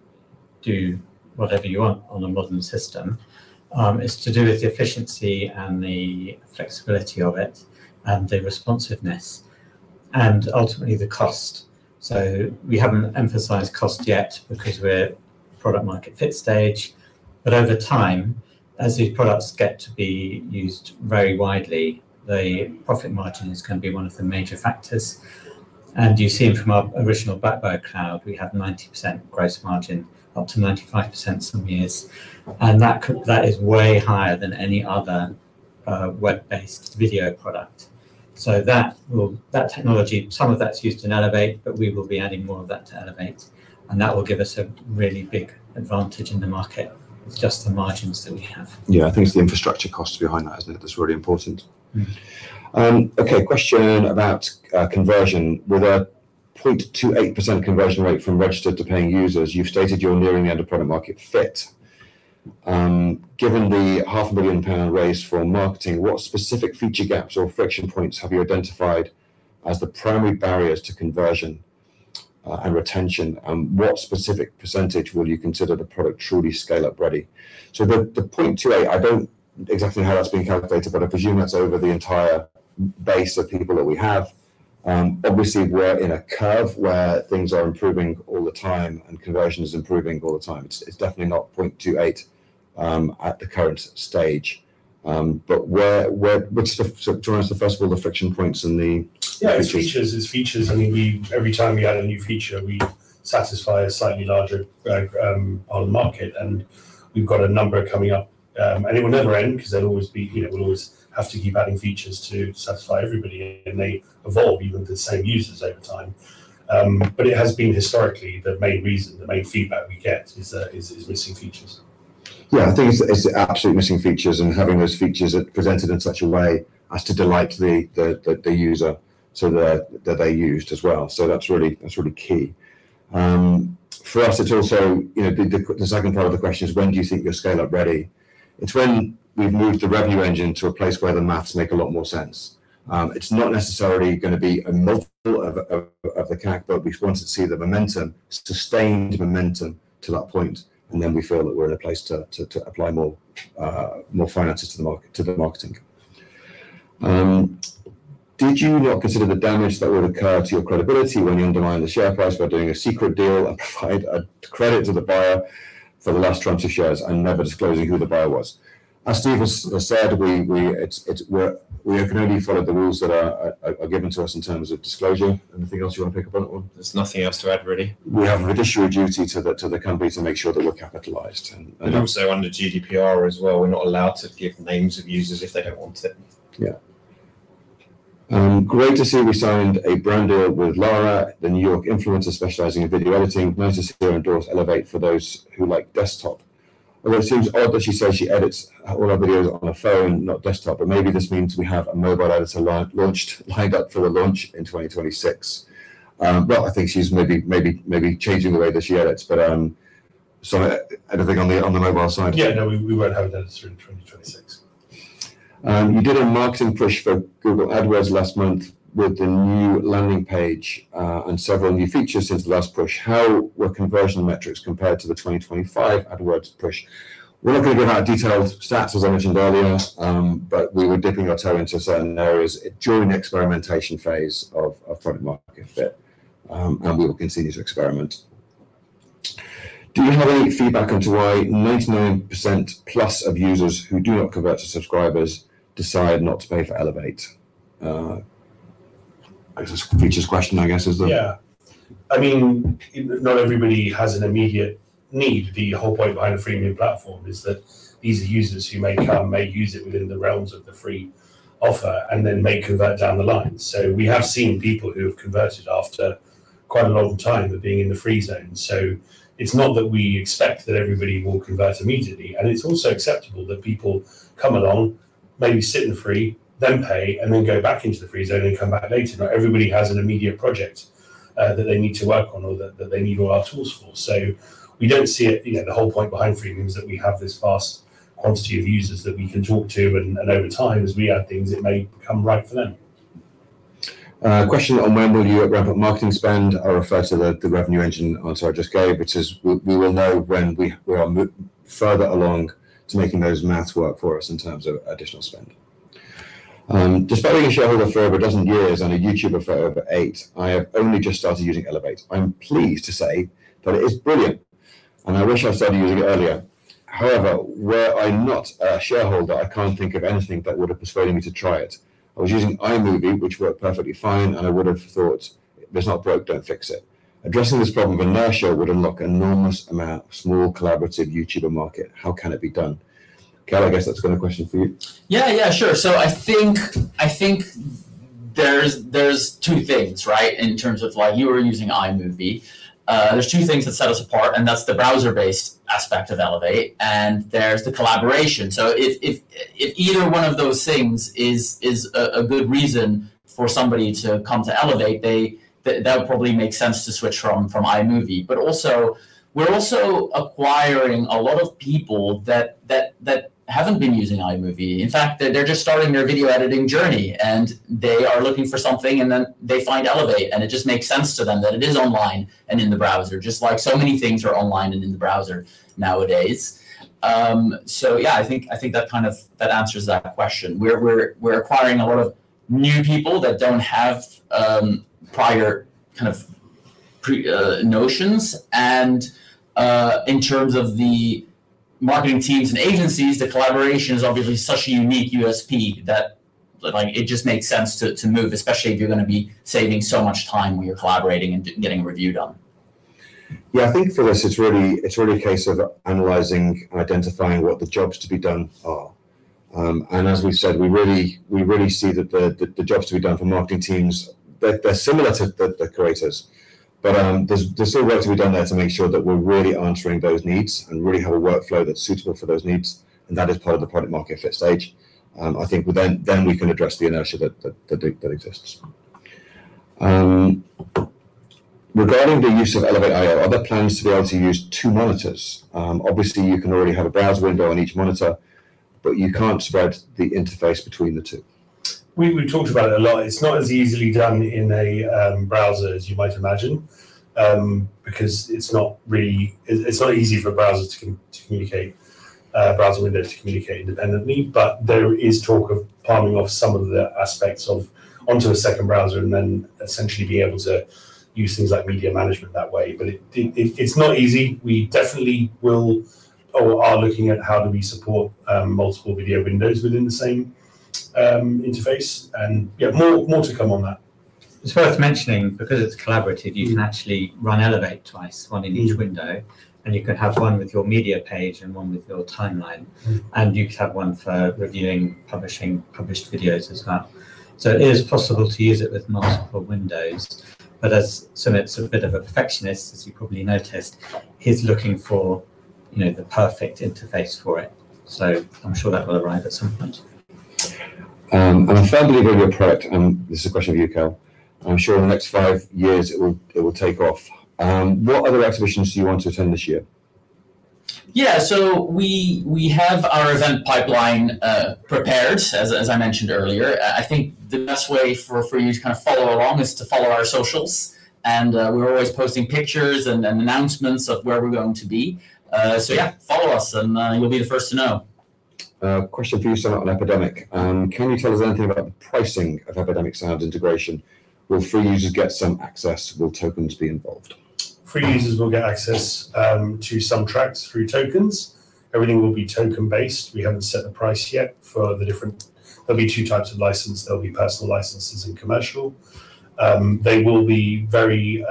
do whatever you want on a modern system. It's to do with the efficiency and the flexibility of it, and the responsiveness, and ultimately the cost. We haven't emphasized cost yet because we're product-market fit stage. Over time, as these products get to be used very widely, the profit margin is gonna be one of the major factors. You've seen from our original Blackbird cloud, we have 90% gross margin, up to 95% some years. That is way higher than any other web-based video product. That will, that technology, some of that's used in Elevate, but we will be adding more of that to Elevate. That will give us a really big advantage in the market. It's just the margins that we have. Yeah. I think it's the infrastructure costs behind that, isn't it? That's really important. Mm-hmm. Okay, question about conversion. With a 0.28% conversion rate from registered to paying users, you've stated you're nearing the end of product-market fit. Given the 500,000 pound Raise for marketing, what specific feature gaps or friction points have you identified as the primary barriers to conversion and retention? And what specific percentage will you consider the product truly scale-up ready? The 0.28%, I don't exactly know how that's being calculated, but I presume that's over the entire base of people that we have. Obviously, we're in a curve where things are improving all the time and conversion is improving all the time. It's definitely not 0.28% at the current stage. But where, which is, to answer the first of all, the friction points and the features. Yeah, it's features. I mean, every time we add a new feature, we satisfy a slightly larger market, and we've got a number coming up. It will never end because there'll always be, you know, we'll always have to keep adding features to satisfy everybody, and they evolve even with the same users over time. But it has been historically the main reason, the main feedback we get is missing features. Yeah. I think it's absolutely missing features and having those features presented in such a way as to delight the user so that they're used as well. That's really key. For us, it's also, you know, the second part of the question is, when do you think you're scale-up ready? It's when we've moved the revenue engine to a place where the math makes a lot more sense. It's not necessarily gonna be a multiple of the CAC, but we just want to see the momentum, sustained momentum to that point, and then we feel that we're in a place to apply more finances to the marketing. Did you not consider the damage that would occur to your credibility when you undermine the share price by doing a secret deal and provide a credit to the buyer for the last tranche of shares and never disclosing who the buyer was? As Steve has said, we can only follow the rules that are given to us in terms of disclosure. Anything else you want to pick up on that one? There's nothing else to add, really. We have a fiduciary duty to the company to make sure that we're capitalized. Also under GDPR as well, we're not allowed to give names of users if they don't want it. Great to see we signed a brand deal with Lara, the New York influencer specializing in video editing. Nice to see her endorse Elevate for those who like desktop. Although it seems odd that she says she edits all her videos on her phone, not desktop, but maybe this means we have a mobile editor launched, lined up for a launch in 2026. Well, I think she's maybe changing the way that she edits. Sorry, anything on the mobile side? Yeah, no, we won't have that sort of 2026. You did a marketing push for Google Ads last month with the new landing page, and several new features since the last push. How were conversion metrics compared to the 2025 AdWords push? We're not gonna give out detailed stats, as I mentioned earlier, but we were dipping our toe into certain areas during the experimentation phase of product-market fit, and we will continue to experiment. Do you have any feedback into why 99%+ of users who do not convert to subscribers decide not to pay for Elevate? I guess this features question is the- Yeah. I mean, not everybody has an immediate need. The whole point behind a freemium platform is that these are users who may come, may use it within the realms of the free offer, and then may convert down the line. We have seen people who have converted after quite a long time of being in the free zone. It's not that we expect that everybody will convert immediately, and it's also acceptable that people come along, maybe sit in the free, then pay, and then go back into the free zone and come back later. Not everybody has an immediate project, that they need to work on or that they need all our tools for. We don't see it. You know, the whole point behind freemium is that we have this vast quantity of users that we can talk to, and over time, as we add things, it may become right for them. A question on when will you ramp up marketing spend. I refer to the revenue engine answer I just gave, which is we will know when we are further along to making those math work for us in terms of additional spend. Despite being a shareholder for over a dozen years and a YouTuber for over eight, I have only just started using elevate.io. I'm pleased to say that it is brilliant, and I wish I'd started using it earlier. However, were I not a shareholder, I can't think of anything that would have persuaded me to try it. I was using iMovie, which worked perfectly fine, and I would have thought, if it's not broke, don't fix it. Addressing this problem of inertia would unlock enormous amount of small collaborative YouTuber market. How can it be done? Cal, I guess that's kind of a question for you. Yeah. Yeah. Sure. I think there's two things, right? In terms of why you were using iMovie. There's two things that set us apart, and that's the browser-based aspect of Elevate, and there's the collaboration. If either one of those things is a good reason for somebody to come to Elevate, that would probably make sense to switch from iMovie. Also, we're acquiring a lot of people that haven't been using iMovie. In fact, they're just starting their video editing journey, and they are looking for something, and then they find Elevate, and it just makes sense to them that it is online and in the browser, just like so many things are online and in the browser nowadays. Yeah, I think that answers that question. We're acquiring a lot of new people that don't have prior kind of notions. In terms of the marketing teams and agencies, the collaboration is obviously such a unique USP that, like, it just makes sense to move, especially if you're gonna be saving so much time when you're collaborating and getting a review done. Yeah. I think for us, it's really a case of analyzing and identifying what the jobs to be done are. As we've said, we really see that the jobs to be done for marketing teams, they're similar to the creators. There's still work to be done there to make sure that we're really answering those needs and really have a workflow that's suitable for those needs, and that is part of the product-market fit stage. I think well then we can address the inertia that exists. Regarding the use of elevate.io, are there plans to be able to use two monitors? Obviously, you can already have a browser window on each monitor, but you can't spread the interface between the two. We talked about it a lot. It's not as easily done in a browser as you might imagine because it's not really easy for a browser to communicate, a browser window to communicate independently. There is talk of plumbing off some of the aspects of onto a second browser and then essentially being able to use things like media management that way. It's not easy. We definitely will or are looking at how do we support multiple video windows within the same interface. Yeah, more to come on that. It's worth mentioning, because it's collaborative, you can actually run Elevate twice, one in each window, and you can have one with your media page and one with your timeline, and you could have one for reviewing, publishing, published videos as well. It is possible to use it with multiple windows. As Sumit, he's a bit of a perfectionist, as you probably noticed, he's looking for, you know, the perfect interface for it. I'm sure that will arrive at some point. I'm a fan believe of your product, and this is a question for you, Cal. I'm sure in the next five years it will take off. What other exhibitions do you want to attend this year? Yeah. We have our event pipeline prepared, as I mentioned earlier. I think the best way for you to kind of follow along is to follow our socials, and we're always posting pictures and announcements of where we're going to be. Yeah, follow us, and you'll be the first to know. A question for you, Sumit, about Epidemic Sound. Can you tell us anything about the pricing of Epidemic Sound integration? Will free users get some access? Will tokens be involved? Free users will get access to some tracks through tokens. Everything will be token-based. We haven't set the price yet. There'll be two types of license. There'll be personal licenses and commercial. They will be very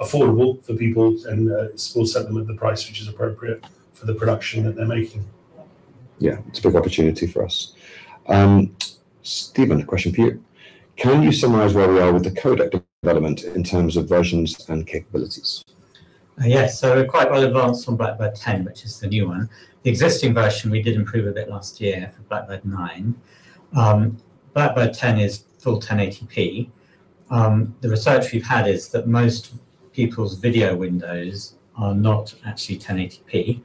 affordable for people, and we'll set them at the price which is appropriate for the production that they're making. Yeah. It's a big opportunity for us. Stephen, a question for you. Can you summarize where we are with the codec development in terms of versions and capabilities? Yes. We're quite well advanced on Blackbird 10, which is the new one. The existing version, we did improve a bit last year for Blackbird 9. Blackbird 10 is full 10-bit. The research we've had is that most people's video windows are not actually 10-bit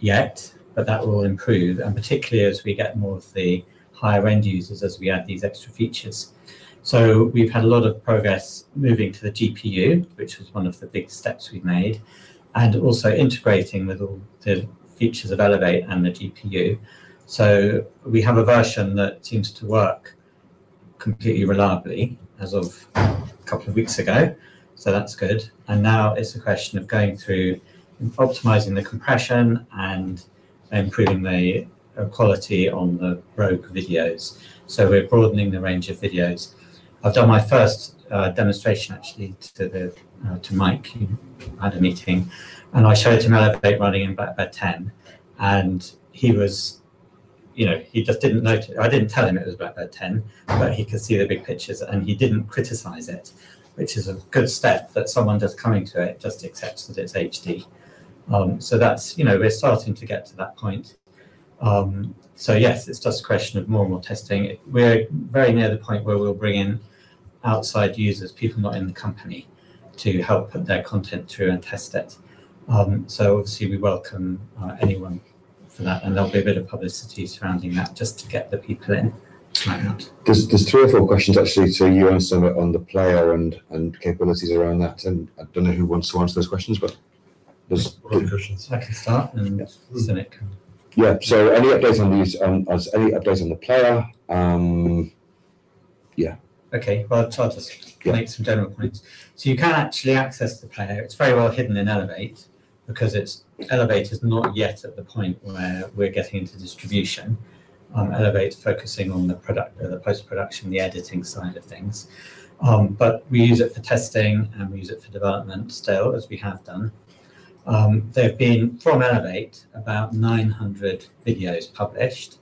yet, but that will improve and particularly as we get more of the higher-end users, as we add these extra features. We've had a lot of progress moving to the GPU, which was one of the big steps we've made, and also integrating with all the features of Elevate and the GPU. We have a version that seems to work completely reliably as of a couple of weeks ago, so that's good. Now it's a question of going through and optimizing the compression and improving the quality on the RAW videos. We're broadening the range of videos. I've done my first demonstration actually to Mike at a meeting, and I showed him Elevate running in Blackbird 10, and he was. You know, he just didn't notice. I didn't tell him it was Blackbird 10, but he could see the big pictures, and he didn't criticize it, which is a good step, that someone just coming to it just accepts that it's HD. That's, you know, we're starting to get to that point. Yes, it's just a question of more and more testing. We're very near the point where we'll bring in outside users, people not in the company, to help put their content through and test it. Obviously we welcome anyone for that, and there'll be a bit of publicity surrounding that just to get the people in. Right. There's three or four questions actually to you and Sumit on the player and capabilities around that, and I don't know who wants to answer those questions, but there's I can start and then Stephen can. Yeah. Any updates on the player? Yeah. Okay. Well, Yeah. Make some general points. You can actually access the player. It's very well hidden in Elevate. Elevate is not yet at the point where we're getting into distribution. Elevate's focusing on the product, the post-production, the editing side of things. We use it for testing, and we use it for development still, as we have done. There have been from Elevate about 900 videos published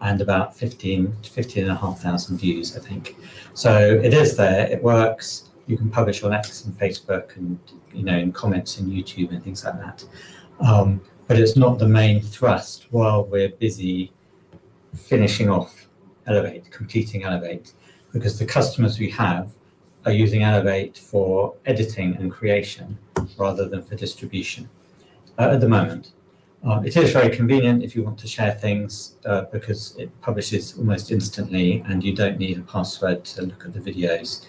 and about 15,500 views, I think. It is there. It works. You can publish your links on Facebook and, you know, in comments in YouTube and things like that. It's not the main thrust while we're busy finishing off Elevate, completing Elevate, because the customers we have are using Elevate for editing and creation rather than for distribution at the moment. It is very convenient if you want to share things, because it publishes almost instantly, and you don't need a password to look at the videos.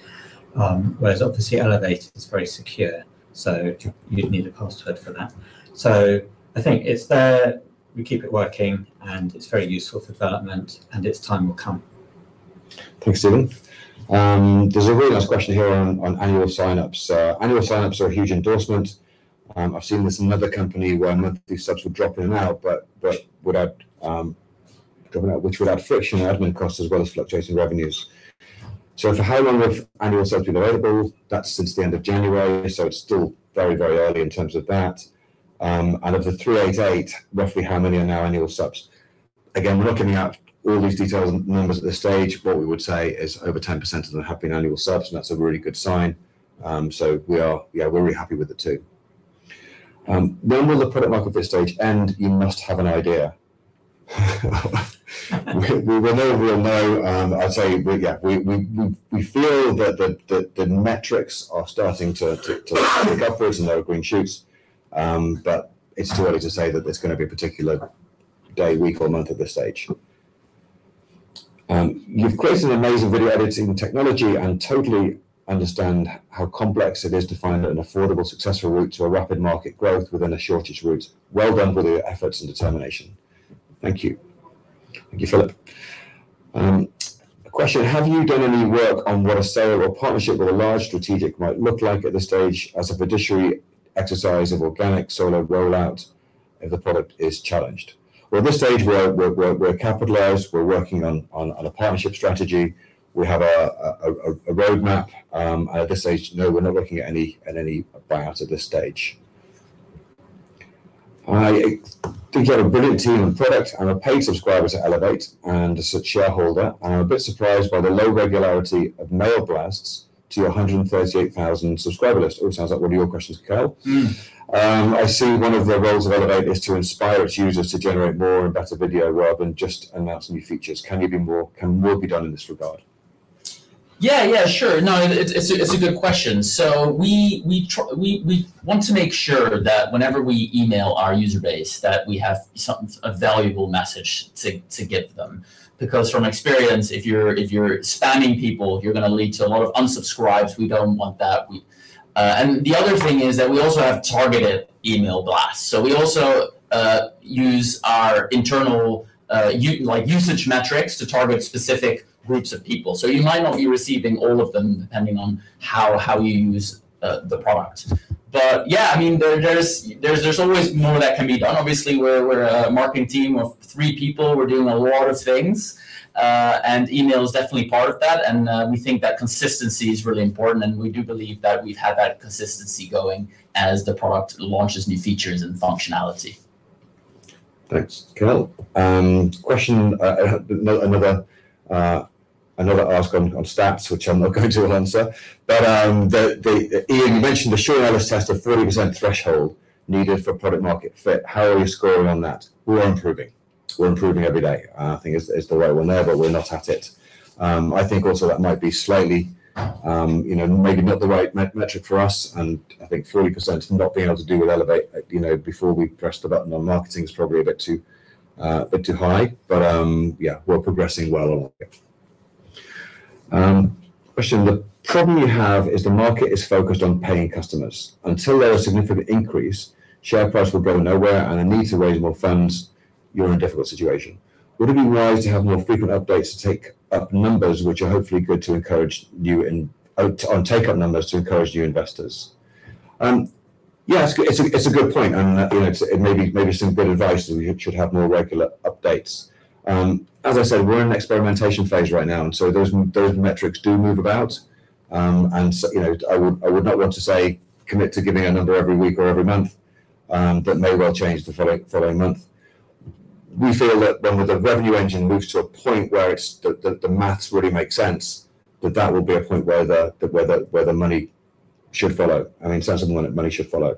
Whereas obviously elevate.io is very secure, so you'd need a password for that. I think it's there, we keep it working, and it's very useful for development, and its time will come. Thanks, Stephen. There's a really nice question here on annual sign-ups. Annual sign-ups are a huge endorsement. I've seen with another company where monthly subs were dropping out, but without dropping out, which would add friction and admin costs as well as fluctuating revenues. For how long have annual subs been available? That's since the end of January, so it's still very, very early in terms of that. And of the 388, roughly how many are now annual subs? Again, we're not giving out all these detailed numbers at this stage. What we would say is over 10% of them have been annual subs, and that's a really good sign. We're really happy with it too. When will the product-market fit stage end? You must have an idea. We'll know. I'd say we feel that the metrics are starting to pick up for us and there are green shoots, but it's too early to say that there's gonna be a particular day, week, or month at this stage. You've created an amazing video editing technology and totally understand how complex it is to find an affordable, successful route to a rapid market growth within the shortest route. Well done for your efforts and determination. Thank you. Thank you, Philip. A question. Have you done any work on what a sale or partnership with a large strategic might look like at this stage as a fiduciary exercise or organic solo rollout if the product is challenged? Well, at this stage, we're capitalized. We're working on a partnership strategy. We have a roadmap. At this stage, we're not looking at any buyouts at this stage. I think you have a brilliant team and product. I'm a paid subscriber to Elevate and as a shareholder, I'm a bit surprised by the low regularity of mail blasts to your 138,000 subscriber list, which sounds like one of your questions, Caroline. I assume one of the roles of Elevate is to inspire its users to generate more and better video rather than just announce new features. Can you do more? Can more be done in this regard? Yeah. Yeah, sure. No, it's a good question. We want to make sure that whenever we email our user base, that we have something, a valuable message to give them. Because from experience, if you're spamming people, you're gonna lead to a lot of unsubscribes. We don't want that. The other thing is that we also have targeted email blasts. We also use our internal usage metrics to target specific groups of people. You might not be receiving all of them depending on how you use the product. Yeah, I mean, there's always more that can be done. Obviously, we're a marketing team of three people. We're doing a lot of things, and email is definitely part of that, and we think that consistency is really important, and we do believe that we've had that consistency going as the product launches new features and functionality. Thanks, Caroline. Question, another ask on stats, which I'm not going to answer, but the Ian, you mentioned the Sean Ellis test of 40% threshold needed for product-market fit. How are we scoring on that? We're improving every day, I think is the way we're there, but we're not at it. I think also that might be slightly, you know, maybe not the right metric for us, and I think 30% not being able to do with Elevate, you know, before we pressed the button on marketing is probably a bit too high. Yeah, we're progressing well on it. Question. "The problem you have is the market is focused on paying customers. Until there are significant increases, share price will go nowhere, and a need to raise more funds, you're in a difficult situation. Would it be wise to have more frequent updates on uptake numbers which are hopefully good to encourage new investors? Yeah, it's a good point and, you know, it may be some good advice that we should have more regular updates. As I said, we're in an experimentation phase right now, and so those metrics do move about. You know, I would not want to commit to giving a number every week or every month, that may well change the following month. We feel that when the revenue engine moves to a point where it's the maths really makes sense, that will be a point where the money should follow. I mean, the sense is the money should follow.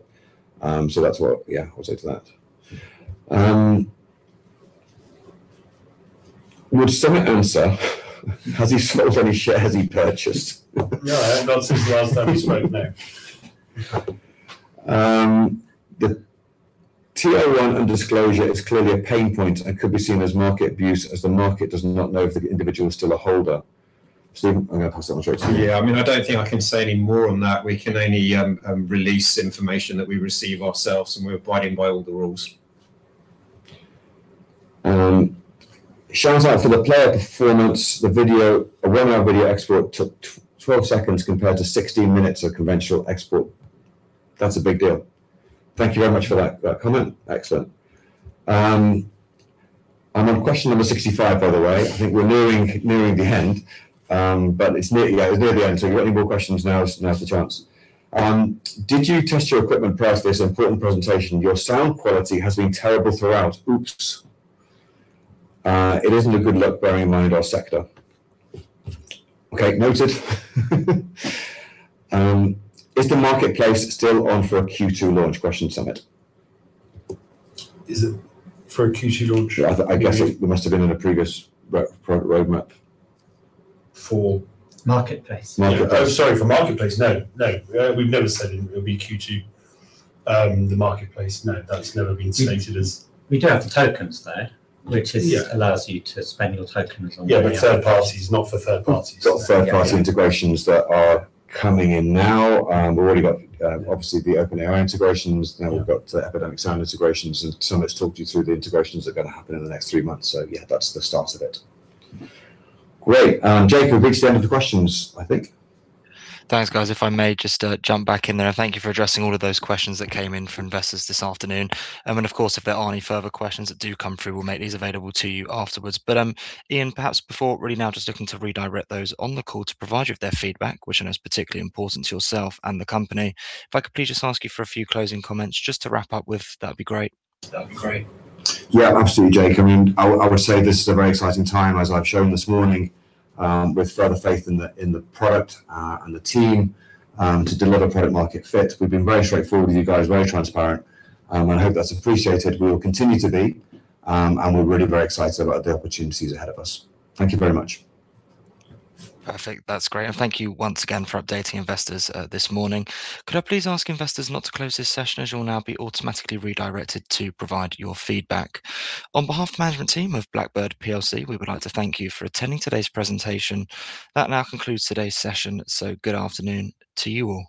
That's what, yeah, I'll say to that. Would Sumit answer, has he sold any shares? Has he purchased? No, not since the last time you spoke, no. The "TR-1 and disclosure is clearly a pain point and could be seen as market abuse, as the market does not know if the individual is still a holder." Stephen, I'm gonna pass that one straight to you. Yeah. I mean, I don't think I can say any more on that. We can only release information that we receive ourselves, and we're abiding by all the rules. Shout out for the player performance. The video, a 1-hour video export took 12 seconds compared to 16 minutes of conventional export. That's a big deal." Thank you very much for that comment. Excellent. I'm on question number 65, by the way. I think we're nearing the end. It's near, yeah, it's near the end, so if you've got any more questions now's the chance. "Did you test your equipment prior to this important presentation? Your sound quality has been terrible throughout. Oops. It isn't a good look bearing in mind our sector." Okay. Noted. "Is the marketplace still on for a Q2 launch?" Question, Sumit. Is it for a Q2 launch? Yeah. I guess it must have been in a previous product roadmap. For? Marketplace. Marketplace. Oh, sorry. For marketplace, no. We've never said it would be Q2, the marketplace. No, that's never been stated as- We do have the tokens there. Yeah. which allows you to spend your tokens on- Yeah, but third parties, not for third parties. We've got third party integrations that are coming in now. We've already got, obviously the OpenAI integrations. Now we've got Epidemic Sound integrations, and Sumit talked you through the integrations that are gonna happen in the next three months. Yeah, that's the start of it. Great. Jake, I believe it's the end of the questions, I think. Thanks, guys. If I may just jump back in there. Thank you for addressing all of those questions that came in from investors this afternoon. Of course, if there are any further questions that do come through, we'll make these available to you afterwards. Ian, perhaps before really now just looking to redirect those on the call to provide you with their feedback, which I know is particularly important to yourself and the company, if I could please just ask you for a few closing comments just to wrap up with, that'd be great. That'd be great. Yeah, absolutely, Jake. I mean, I would say this is a very exciting time, as I've shown this morning, with further faith in the product, and the team, to deliver product-market fit. We've been very straightforward with you guys, very transparent, and I hope that's appreciated. We will continue to be, and we're really very excited about the opportunities ahead of us. Thank you very much. Perfect. That's great. Thank you once again for updating investors, this morning. Could I please ask investors not to close this session, as you'll now be automatically redirected to provide your feedback. On behalf of the management team of Blackbird plc, we would like to thank you for attending today's presentation. That now concludes today's session. Good afternoon to you all.